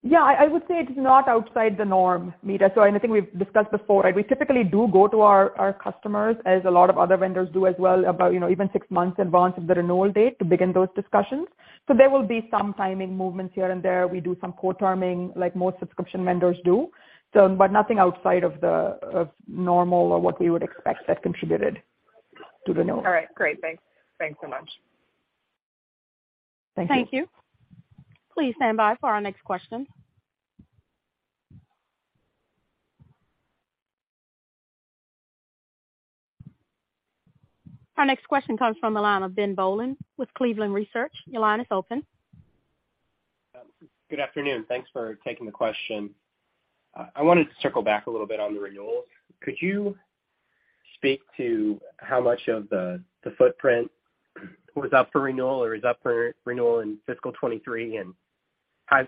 Yeah, I would say it's not outside the norm, Meta. I think we've discussed before, right? We typically do go to our customers as a lot of other vendors do as well, about, you know, even six months advance of the renewal date to begin those discussions. There will be some timing movements here and there. We do some quote arming like most subscription vendors do. But nothing outside of the normal or what we would expect that contributed to the renewal. All right, great. Thanks. Thanks so much. Thank you. Thank you. Please stand by for our next question. Our next question comes from the line of Ben Bollin with Cleveland Research. Your line is open. Good afternoon. Thanks for taking the question. I wanted to circle back a little bit on the renewals. Could you speak to how much of the footprint was up for renewal or is up for renewal in fiscal 2023 and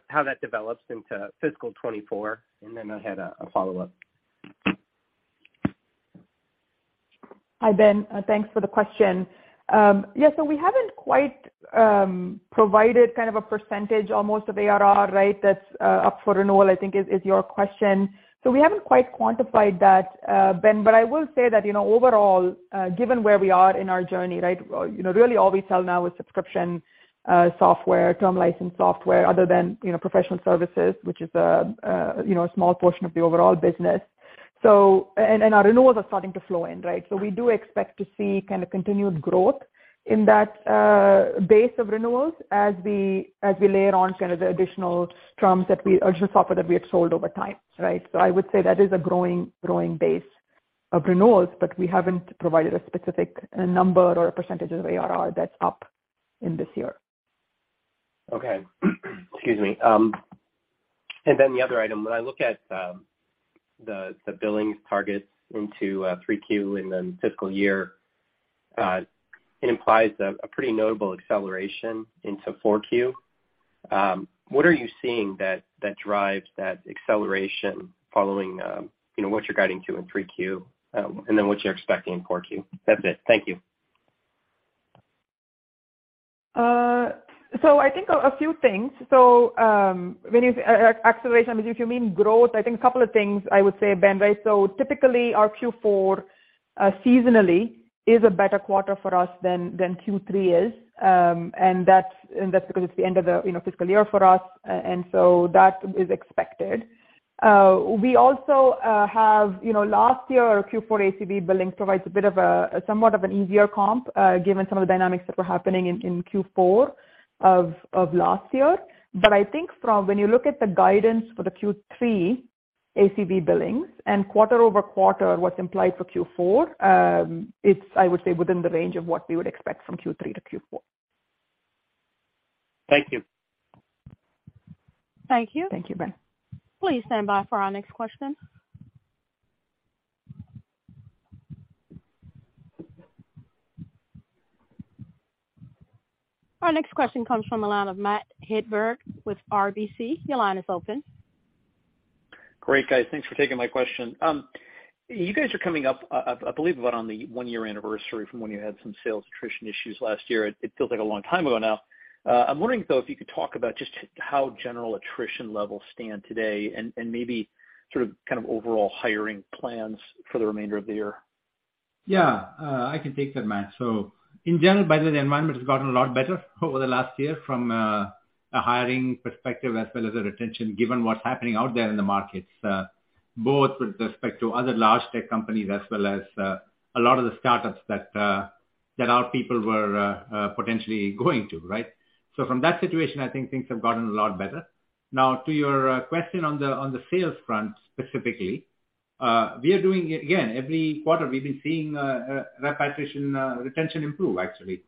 how that develops into fiscal 2024? Then I had a follow-up. Hi, Ben. Thanks for the question. Yeah, we haven't quite provided kind of a percentage or most of ARR, right? That's up for renewal, I think is your question. We haven't quite quantified that, Ben, but I will say that, you know, overall, given where we are in our journey, right? You know, really all we sell now is subscription software, term license software other than, you know, professional services, which is a, you know, a small portion of the overall business. And our renewals are starting to flow in, right? We do expect to see kinda continued growth in that base of renewals as we layer on kind of the additional terms that we or just software that we have sold over time, right? I would say that is a growing base of renewals, but we haven't provided a specific number or a percentage of ARR that's up in this year. Okay. Excuse me. Then the other item, when I look at, the billings targets into, 3Q and then fiscal year It implies a pretty notable acceleration into 4Q. What are you seeing that drives that acceleration following, you know, what you're guiding to in 3Q, and then what you're expecting in 4Q? That's it. Thank you. I think a few things. When you acceleration, if you mean growth, I think a couple of things I would say, Ben. Right? Typically our Q4 seasonally is a better quarter for us than Q3 is. And that's because it's the end of the, you know, fiscal year for us. And so that is expected. We also have, you know, last year, our Q4 ACV billings provides a bit of a, somewhat of an easier comp, given some of the dynamics that were happening in Q4 of last year. I think from when you look at the guidance for the Q3 ACV billings and quarter-over-quarter, what's implied for Q4, it's, I would say, within the range of what we would expect from Q3 to Q4. Thank you. Thank you. Thank you, Ben. Please stand by for our next question. Our next question comes from the line of Matt Hedberg with RBC. Your line is open. Great, guys. Thanks for taking my question. You guys are coming up, I believe about on the one-year anniversary from when you had some sales attrition issues last year. It feels like a long time ago now. I'm wondering though if you could talk about just how general attrition levels stand today and maybe sort of kind of overall hiring plans for the remainder of the year. Yeah. I can take that, Matt. In general, by the way, the environment has gotten a lot better over the last year from a hiring perspective as well as a retention, given what's happening out there in the markets, both with respect to other large tech companies as well as a lot of the startups that our people were potentially going to, right? From that situation, I think things have gotten a lot better. Now to your question on the sales front specifically, we are doing, again, every quarter we've been seeing rep attrition, retention improve actually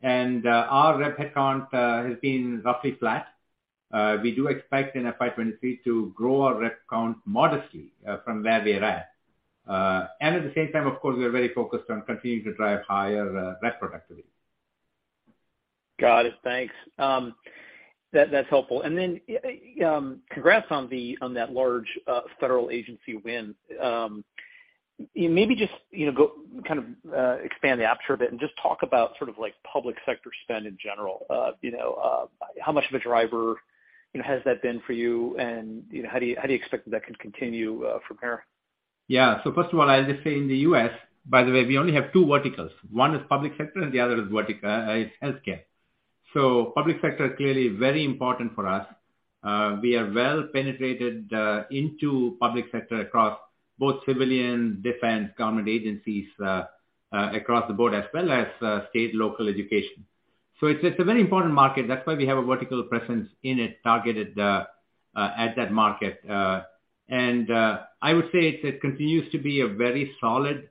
quarter-over-quarter. Our rep headcount has been roughly flat. We do expect in FY 2023 to grow our rep count modestly from where we're at. At the same time, of course, we are very focused on continuing to drive higher rep productivity. Got it. Thanks. That's helpful. Then, congrats on that large federal agency win. Maybe just, you know, go kind of expand the aperture a bit and just talk about sort of like public sector spend in general. You know, how much of a driver, you know, has that been for you and how do you expect that to continue from here? First of all, I'll just say in the U.S., by the way, we only have two verticals. One is public sector and the other is healthcare. Public sector clearly very important for us. We are well penetrated into public sector across both civilian, defense, government agencies across the board, as well as state local education. It's a very important market. That's why we have a vertical presence in it targeted at that market. I would say it continues to be a very solid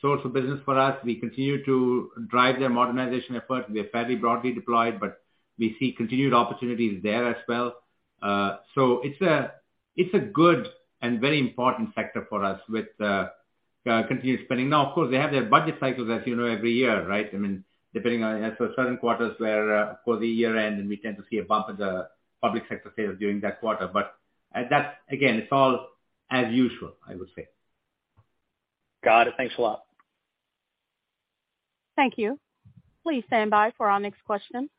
source of business for us. We continue to drive their modernization efforts. We are fairly broadly deployed, but we see continued opportunities there as well. It's a good and very important sector for us with continued spending. Of course, they have their budget cycles, as you know, every year, right? I mean, depending on certain quarters where, towards the year end, and we tend to see a bump in the public sector sales during that quarter. That's again, it's all as usual, I would say. Got it. Thanks a lot. Thank you. Please stand by for our next question.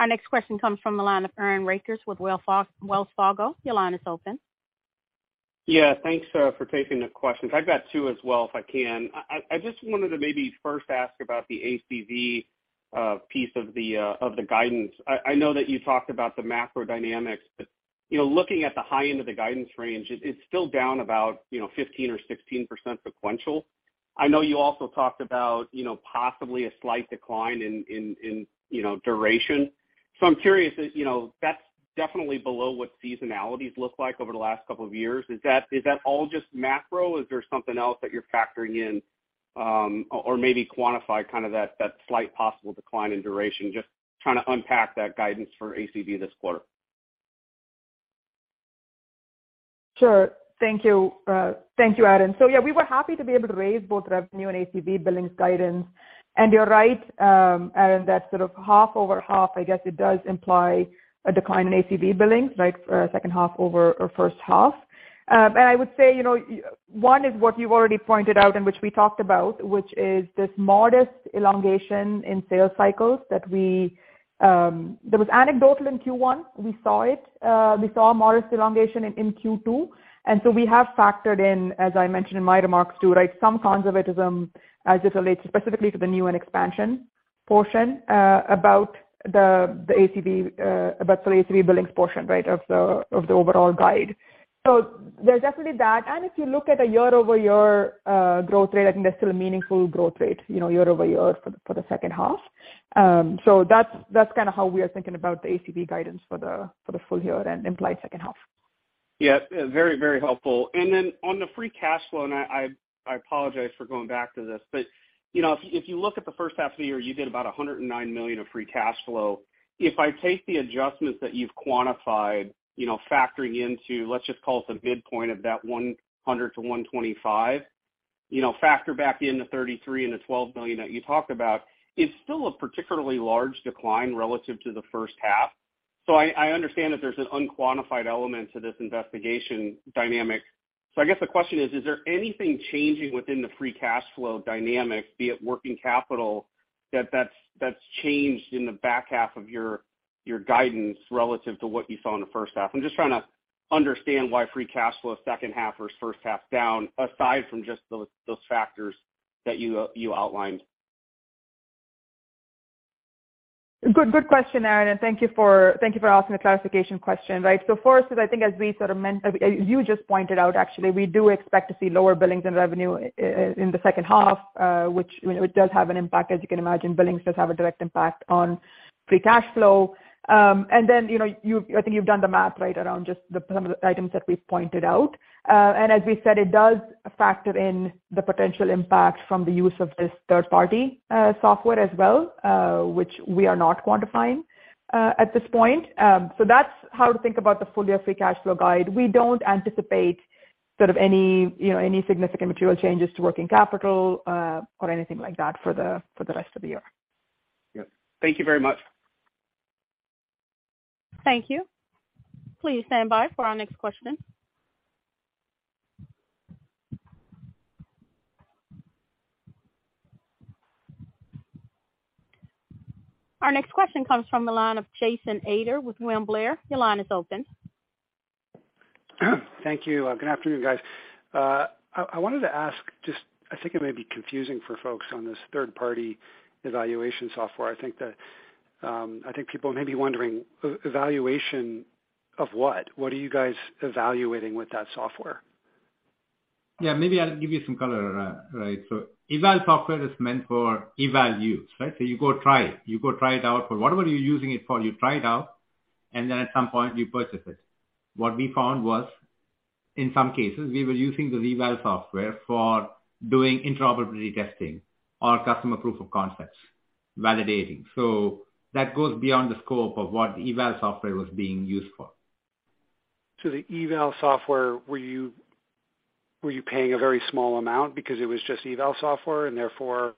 Our next question comes from the line of Aaron Rakers with Wells Fargo. Your line is open. Thanks for taking the questions. I've got two as well if I can. I just wanted to maybe first ask about the ACV piece of the guidance. I know that you talked about the macro dynamics, but, you know, looking at the high end of the guidance range, it's still down about, you know, 15% or 16% sequential. I know you also talked about, you know, possibly a slight decline in, you know, duration. I'm curious, you know, that's definitely below what seasonality has looked like over the last couple of years. Is that all just macro? Is there something else that you're factoring in, or maybe quantify kind of that slight possible decline in duration? Just trying to unpack that guidance for ACV this quarter. Sure. Thank you. Thank you, Aaron. Yeah, we were happy to be able to raise both revenue and ACV billings guidance. You're right, Aaron, that sort of half over half, I guess it does imply a decline in ACV billings, like for second half over or first half. I would say, you know, one is what you've already pointed out and which we talked about, which is this modest elongation in sales cycles that we, there was anecdotal in Q1. We saw it. We saw a modest elongation in Q2, we have factored in, as I mentioned in my remarks too, right, some conservatism as it relates specifically to the new and expansion portion, ACV billings portion, right, of the, of the overall guide. There's definitely that. If you look at a year-over-year growth rate, I think there's still a meaningful growth rate, you know, year-over-year for the, for the second half. That's, that's kinda how we are thinking about the ACV guidance for the, for the full year and implied second half. Very, very helpful. On the free cash flow, I apologize for going back to this, but, you know, if you look at the first half of the year, you did about $109 million of free cash flow. If I take the adjustments that you've quantified, you know, factoring into let's just call it the midpoint of that $100 million-$125 million, you know, factor back in the $33 million and the $12 million that you talked about, it's still a particularly large decline relative to the first half. I understand that there's an unquantified element to this investigation dynamic. I guess the question is there anything changing within the free cash flow dynamic, be it working capital, that's changed in the back half of your guidance relative to what you saw in the first half? I'm just trying to understand why free cash flow second half was first half down, aside from just those factors that you outlined? Good question, Aaron, thank you for asking a clarification question. Right. First is, I think as we sort of You just pointed out, actually, we do expect to see lower billings and revenue in the second half, which, you know, it does have an impact. As you can imagine, billings does have a direct impact on free cash flow. You know, I think you've done the math right around just the some of the items that we pointed out. As we said, it does factor in the potential impact from the use of this third-party software as well, which we are not quantifying at this point. That's how to think about the full year free cash flow guide. We don't anticipate sort of any, you know, any significant material changes to working capital, or anything like that for the rest of the year. Yeah. Thank you very much. Thank you. Please stand by for our next question. Our next question comes from the line of Jason Ader with William Blair. Your line is open. Thank you. Good afternoon, guys. I wanted to ask just I think it may be confusing for folks on this third-party evaluation software. I think that, people may be wondering, evaluation of what? What are you guys evaluating with that software? Yeah, maybe I'll give you some color. Right. Eval software is meant for eval use, right? You go try it. You go try it out for whatever you're using it for, you try it out, and then at some point you purchase it. What we found was, in some cases, we were using the eval software for doing interoperability testing or customer proof of concepts, validating. That goes beyond the scope of what the eval software was being used for. The eval software, were you paying a very small amount because it was just eval software and therefore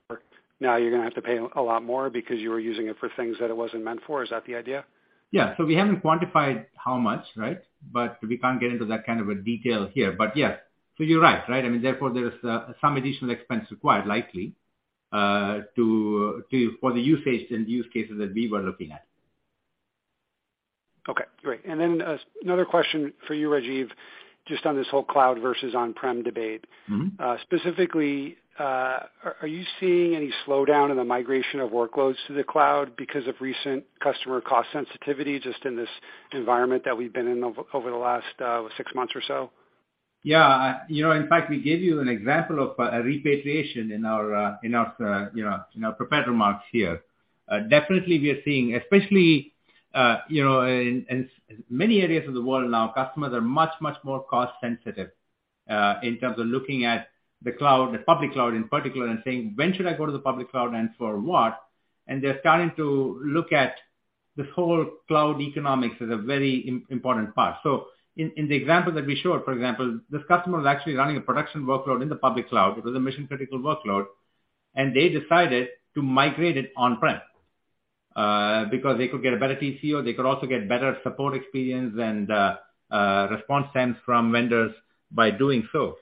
now you're gonna have to pay a lot more because you were using it for things that it wasn't meant for? Is that the idea? Yeah. We haven't quantified how much, right? We can't get into that kind of a detail here. Yeah. You're right? I mean, therefore, there's some additional expense required likely to for the usage and use cases that we were looking at. Okay, great. Another question for you, Rajiv, just on this whole cloud versus on-prem debate. Mm-hmm. Specifically, are you seeing any slowdown in the migration of workloads to the cloud because of recent customer cost sensitivity just in this environment that we've been in over the last six months or so? Yeah. You know, in fact, we gave you an example of a repatriation in our, you know, in our prepared remarks here. Definitely we are seeing, especially, you know, in many areas of the world now, customers are much, much more cost sensitive, in terms of looking at the cloud, the public cloud in particular, and saying, "When should I go to the public cloud and for what?" They're starting to look at the whole cloud economics as a very important part. In the example that we showed, for example, this customer was actually running a production workload in the public cloud. It was a mission-critical workload, and they decided to migrate it on-prem because they could get a better TCO. They could also get better support experience and response times from vendors by doing so.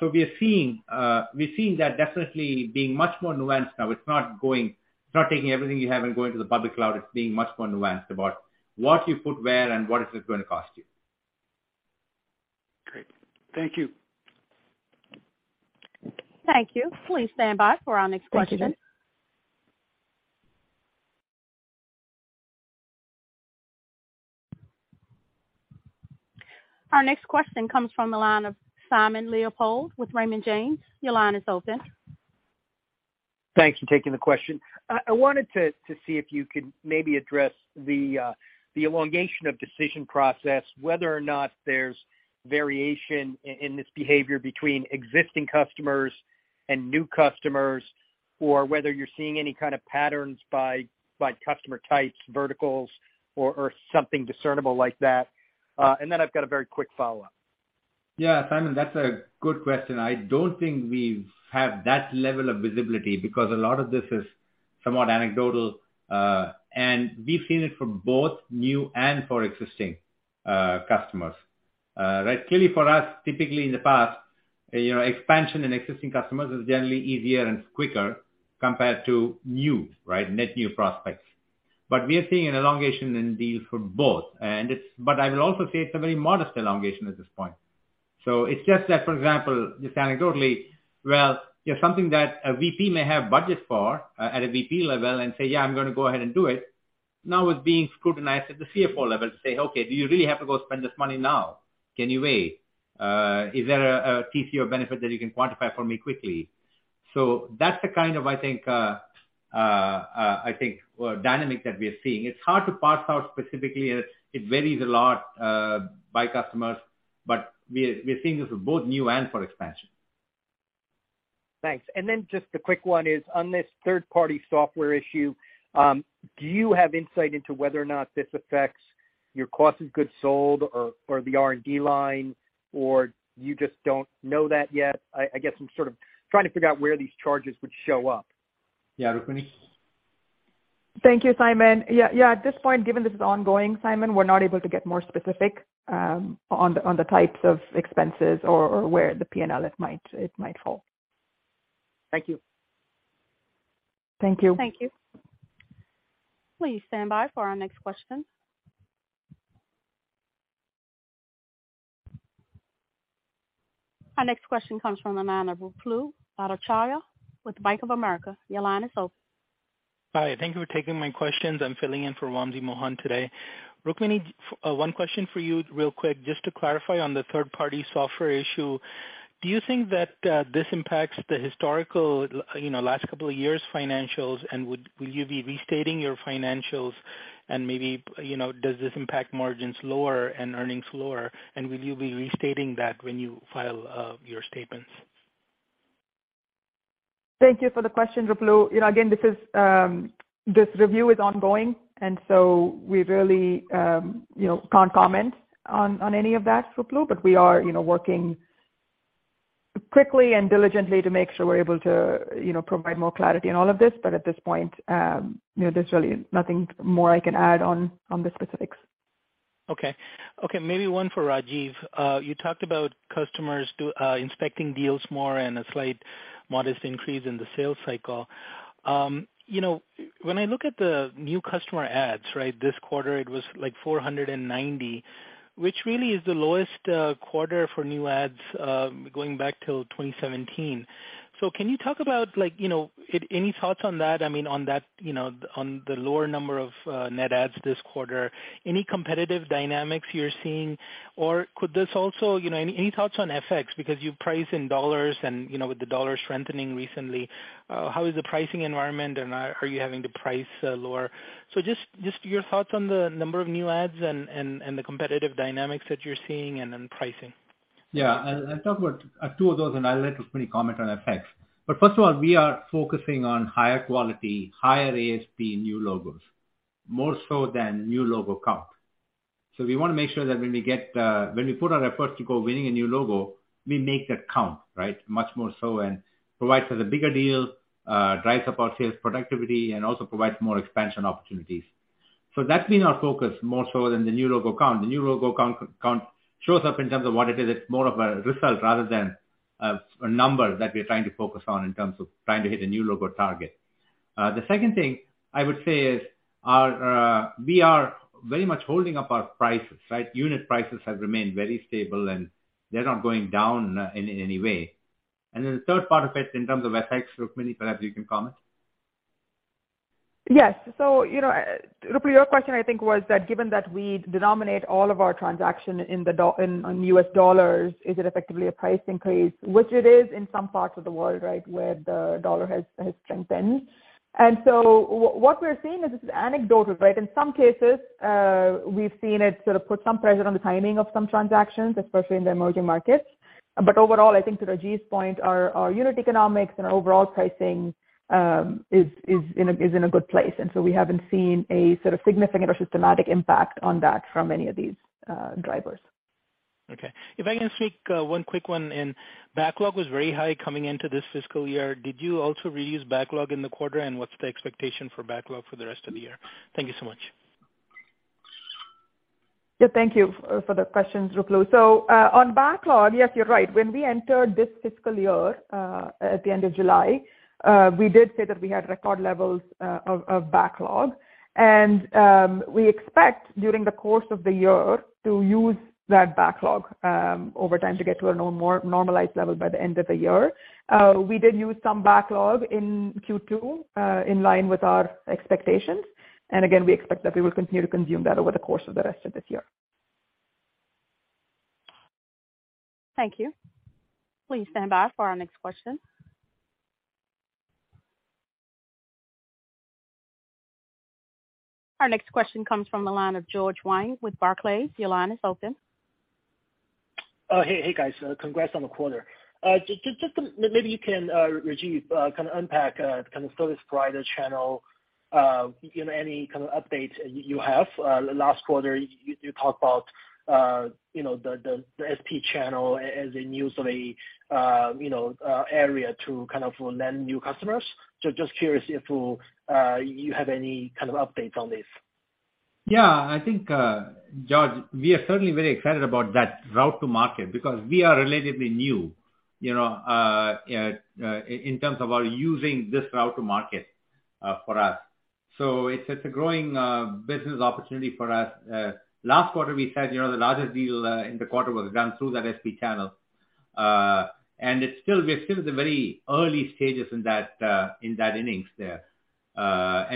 We are seeing that definitely being much more nuanced now. It's not taking everything you have and going to the public cloud. It's being much more nuanced about what you put where and what is it gonna cost you. Great. Thank you. Thank you. Please stand by for our next question. Thank you. Our next question comes from the line of Simon Leopold with Raymond James. Your line is open. Thanks for taking the question. I wanted to see if you could maybe address the elongation of decision process, whether or not there's variation in this behavior between existing customers and new customers, or whether you're seeing any kind of patterns by customer types, verticals or something discernible like that. Then I've got a very quick follow-up. Yeah, Simon, that's a good question. I don't think we have that level of visibility because a lot of this is somewhat anecdotal, and we've seen it for both new and for existing customers. Right. Clearly for us, typically in the past, you know, expansion in existing customers is generally easier and quicker compared to new, right? Net new prospects. We are seeing an elongation in deals for both. I will also say it's a very modest elongation at this point. It's just that, for example, just anecdotally, well, you know, something that a VP may have budget for at a VP level and say, "Yeah, I'm gonna go ahead and do it," now is being scrutinized at the CFO level to say, "Okay, do you really have to go spend this money now? Can you wait? Is there a TCO benefit that you can quantify for me quickly? That's the kind of, I think, dynamic that we are seeing. It's hard to parse out specifically. It varies a lot, by customers, but we're seeing this with both new and for expansion. Thanks. Just a quick one is on this third-party software issue, do you have insight into whether or not this affects your cost of goods sold or the R&D line, or you just don't know that yet? I guess I'm sort of trying to figure out where these charges would show up. Yeah. Rukmini? Thank you, Simon. Yeah. At this point, given this is ongoing, Simon, we're not able to get more specific, on the types of expenses or where the P&L it might fall. Thank you. Thank you. Thank you. Please stand by for our next question. Our next question comes from the line of Ruplu Bhattacharya with Bank of America. Your line is open. Hi. Thank you for taking my questions. I'm filling in for Wamsi Mohan today. Rukmini, one question for you real quick, just to clarify on the third-party software issue. Do you think that this impacts the historical, you know, last couple of years financials, and will you be restating your financials and maybe, you know, does this impact margins lower and earnings lower? Will you be restating that when you file your statements? Thank you for the question, Ruplu. You know, again, this review is ongoing, we really, you know, can't comment on any of that, Ruplu. We are, you know, working quickly and diligently to make sure we're able to, you know, provide more clarity on all of this. At this point, you know, there's really nothing more I can add on the specifics. Okay. Okay, maybe one for Rajiv. You talked about customers inspecting deals more and a slight modest increase in the sales cycle. You know, when I look at the new customer adds, right? This quarter, it was like 490, which really is the lowest quarter for new adds going back to 2017. Can you talk about like, you know, any thoughts on that? I mean, on that, you know, on the lower number of net adds this quarter. Any competitive dynamics you're seeing, or could this also, you know, any thoughts on FX? Because you price in dollars and, you know, with the dollar strengthening recently, how is the pricing environment and are you having to price lower? Just your thoughts on the number of new adds and the competitive dynamics that you're seeing and then pricing. Yeah. I'll talk about two of those, and I'll let Rukmini comment on FX. First of all, we are focusing on higher quality, higher ASP new logos, more so than new logo count. We wanna make sure that when we get when we put our efforts to go winning a new logo, we make that count, right? Much more so, and provides us a bigger deal, drives up our sales productivity and also provides more expansion opportunities. That's been our focus more so than the new logo count. The new logo count shows up in terms of what it is. It's more of a result rather than a number that we're trying to focus on in terms of trying to hit a new logo target. The second thing I would say is our, we are very much holding up our prices, right? Unit prices have remained very stable, and they're not going down in any way. The third part of it in terms of FX, Rukmini, perhaps you can comment. Yes. You know, Ruplu, your question, I think, was that given that we denominate all of our transaction in U.S. dollars, is it effectively a price increase, which it is in some parts of the world, right, where the dollar has strengthened. What we're seeing is this is anecdotal, right? In some cases, we've seen it sort of put some pressure on the timing of some transactions, especially in the emerging markets. Overall, I think to Rajiv's point, our unit economics and our overall pricing is in a good place. We haven't seen a sort of significant or systematic impact on that from any of these drivers. Okay. If I can sneak, one quick one in. Backlog was very high coming into this fiscal year. Did you also reuse backlog in the quarter, and what's the expectation for backlog for the rest of the year? Thank you so much. Yeah. Thank you for the questions, Ruplu. On backlog, yes, you're right. When we entered this fiscal year, at the end of July, we did say that we had record levels of backlog. We expect during the course of the year to use that backlog over time to get to a more normalized level by the end of the year. We did use some backlog in Q2, in line with our expectations. Again, we expect that we will continue to consume that over the course of the rest of this year. Thank you. Please stand by for our next question. Our next question comes from the line of George Wang with Barclays. Your line is open. Hey guys, congrats on the quarter. Just maybe you can Rajiv kind of unpack kind of service provider channel, you know, any kind of updates you have? Last quarter, you talked about, you know, the SP channel as a new sort of, you know, area to kind of lend new customers. Just curious if you have any kind of updates on this? I think, George, we are certainly very excited about that route to market because we are relatively new, you know, in terms of our using this route to market for us. It's a growing business opportunity for us. Last quarter, we said, you know, the largest deal in the quarter was done through that SP channel. We're still at the very early stages in that in that innings there.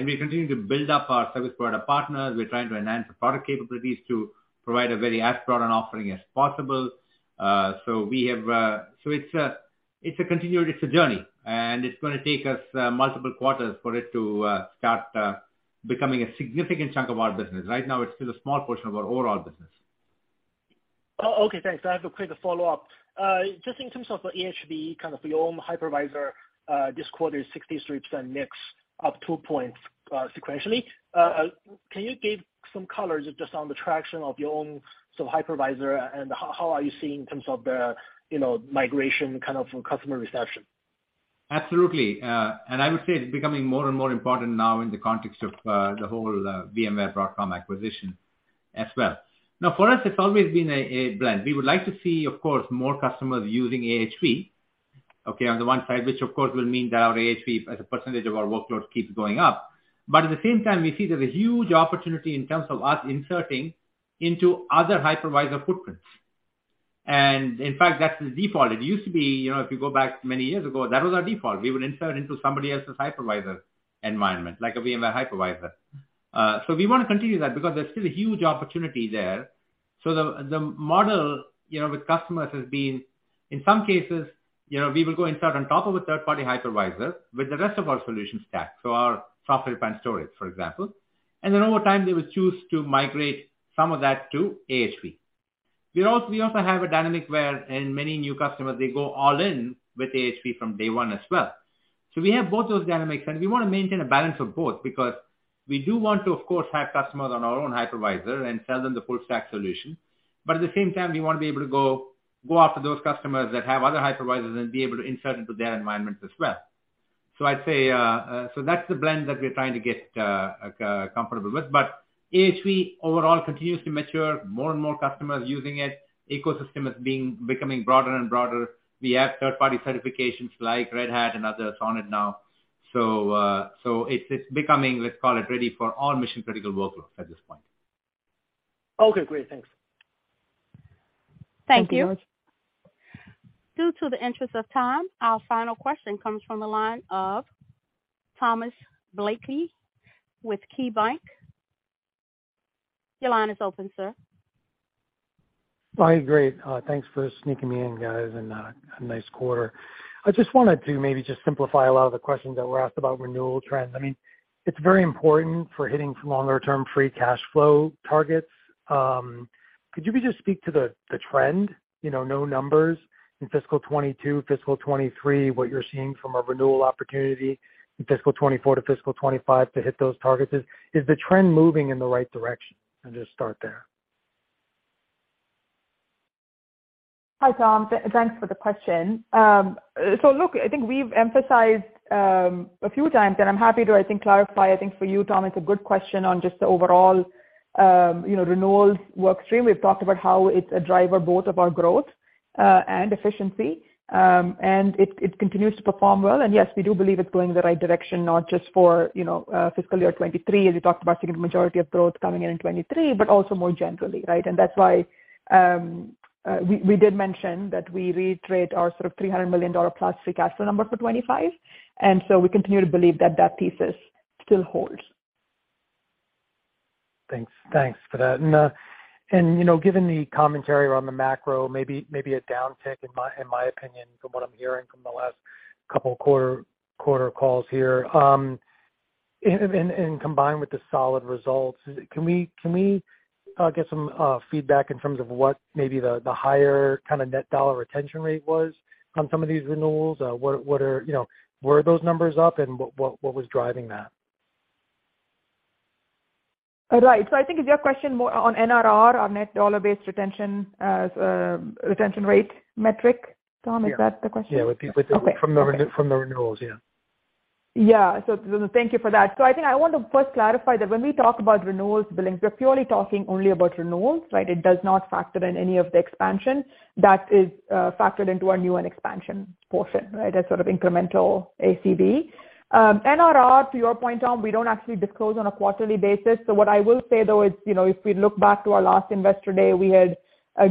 We continue to build up our service provider partners. We're trying to enhance the product capabilities to provide a very as broad an offering as possible. We have. It's a journey, and it's gonna take us multiple quarters for it to start becoming a significant chunk of our business. Right now, it's still a small portion of our overall business. Oh, okay. Thanks. I have a quick follow-up. Just in terms of AHV, kind of your own hypervisor, this quarter is 63% mix, up two points, sequentially. Can you give some color just on the traction of your own sort of hypervisor and how are you seeing in terms of the, you know, migration kind of customer reception? Absolutely. I would say it's becoming more and more important now in the context of the whole VMware Broadcom acquisition as well. For us, it's always been a blend. We would like to see, of course, more customers using AHV, okay, on the one side, which of course will mean that our AHV as a percentage of our workload keeps going up. At the same time, we see there's a huge opportunity in terms of us inserting into other hypervisor footprints. In fact, that's the default. It used to be, you know, if you go back many years ago, that was our default. We would insert into somebody else's hypervisor environment, like a VMware hypervisor. We wanna continue that because there's still a huge opportunity there. The model, you know, with customers has been, in some cases, you know, we will go insert on top of a third-party hypervisor with the rest of our solution stack, so our software-defined storage, for example. Over time, they will choose to migrate some of that to AHV. We also have a dynamic where in many new customers, they go all in with AHV from day one as well. We have both those dynamics, and we wanna maintain a balance of both because we do want to, of course, have customers on our own hypervisor and sell them the full stack solution. At the same time, we wanna be able to go after those customers that have other hypervisors and be able to insert into their environments as well. I'd say, so that's the blend that we're trying to get comfortable with. AHV overall continues to mature. More and more customers using it. Ecosystem is becoming broader and broader. We have third-party certifications like Red Hat and others on it now. it's becoming, let's call it, ready for all mission-critical workloads at this point. Okay, great. Thanks. Thank you George. Thank you. Due to the interest of time, our final question comes from the line of Thomas Blakey with KeyBanc. Your line is open, sir. Hi. Great. thanks for sneaking me in, guys, and a nice quarter. I just wanted to maybe just simplify a lot of the questions that were asked about renewal trends. I mean, it's very important for hitting longer-term free cash flow targets. Could you maybe just speak to the trend, you know, no numbers, in fiscal 2022, fiscal 2023, what you're seeing from a renewal opportunity in fiscal 2024 to fiscal 2025 to hit those targets? Is the trend moving in the right direction? I'll just start there. Hi, Tom. Thanks for the question. Look, I think we've emphasized a few times, and I'm happy to I think clarify for you, Tom, it's a good question on just the overall, you know, renewals work stream. We've talked about how it's a driver both of our growth and efficiency. It continues to perform well. Yes, we do believe it's going the right direction, not just for, you know, fiscal year 2023, as we talked about the majority of growth coming in in 2023, but also more generally, right? That's why we did mention that we reiterate our sort of $300 million plus free cash flow number for 2025. We continue to believe that that thesis still holds. Thanks. Thanks for that. You know, given the commentary around the macro, maybe a downtick in my opinion from what I'm hearing from the last couple quarter calls here. Combined with the solid results, can we get some feedback in terms of what maybe the higher kind of net dollar retention rate was on some of these renewals? You know, were those numbers up, and what was driving that? Right. I think is your question more on NRR or net dollar-based retention rate metric, Tom? Yeah. Is that the question? Yeah. Okay. From the renewals, yeah. Thank you for that. I think I want to first clarify that when we talk about renewals billings, we're purely talking only about renewals, right? It does not factor in any of the expansion. That is factored into our new and expansion portion, right, that sort of incremental ACV. NRR, to your point, Tom, we don't actually disclose on a quarterly basis. What I will say, though, is, you know, if we look back to our last Investor Day, we had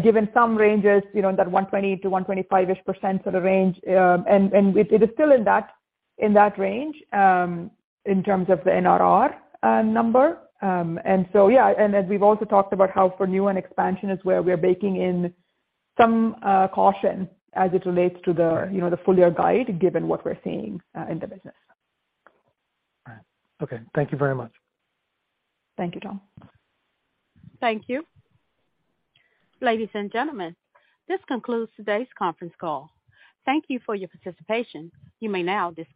given some ranges, you know, that 120%-125-ish% sort of range. And it is still in that range, in terms of the NRR number. As we've also talked about how for new and expansion is where we're baking in some caution as it relates to the, you know, the full-year guide given what we're seeing in the business. All right. Okay, thank you very much. Thank you, Tom. Thank you. Ladies and gentlemen, this concludes today's conference call. Thank you for your participation. You may now disconnect.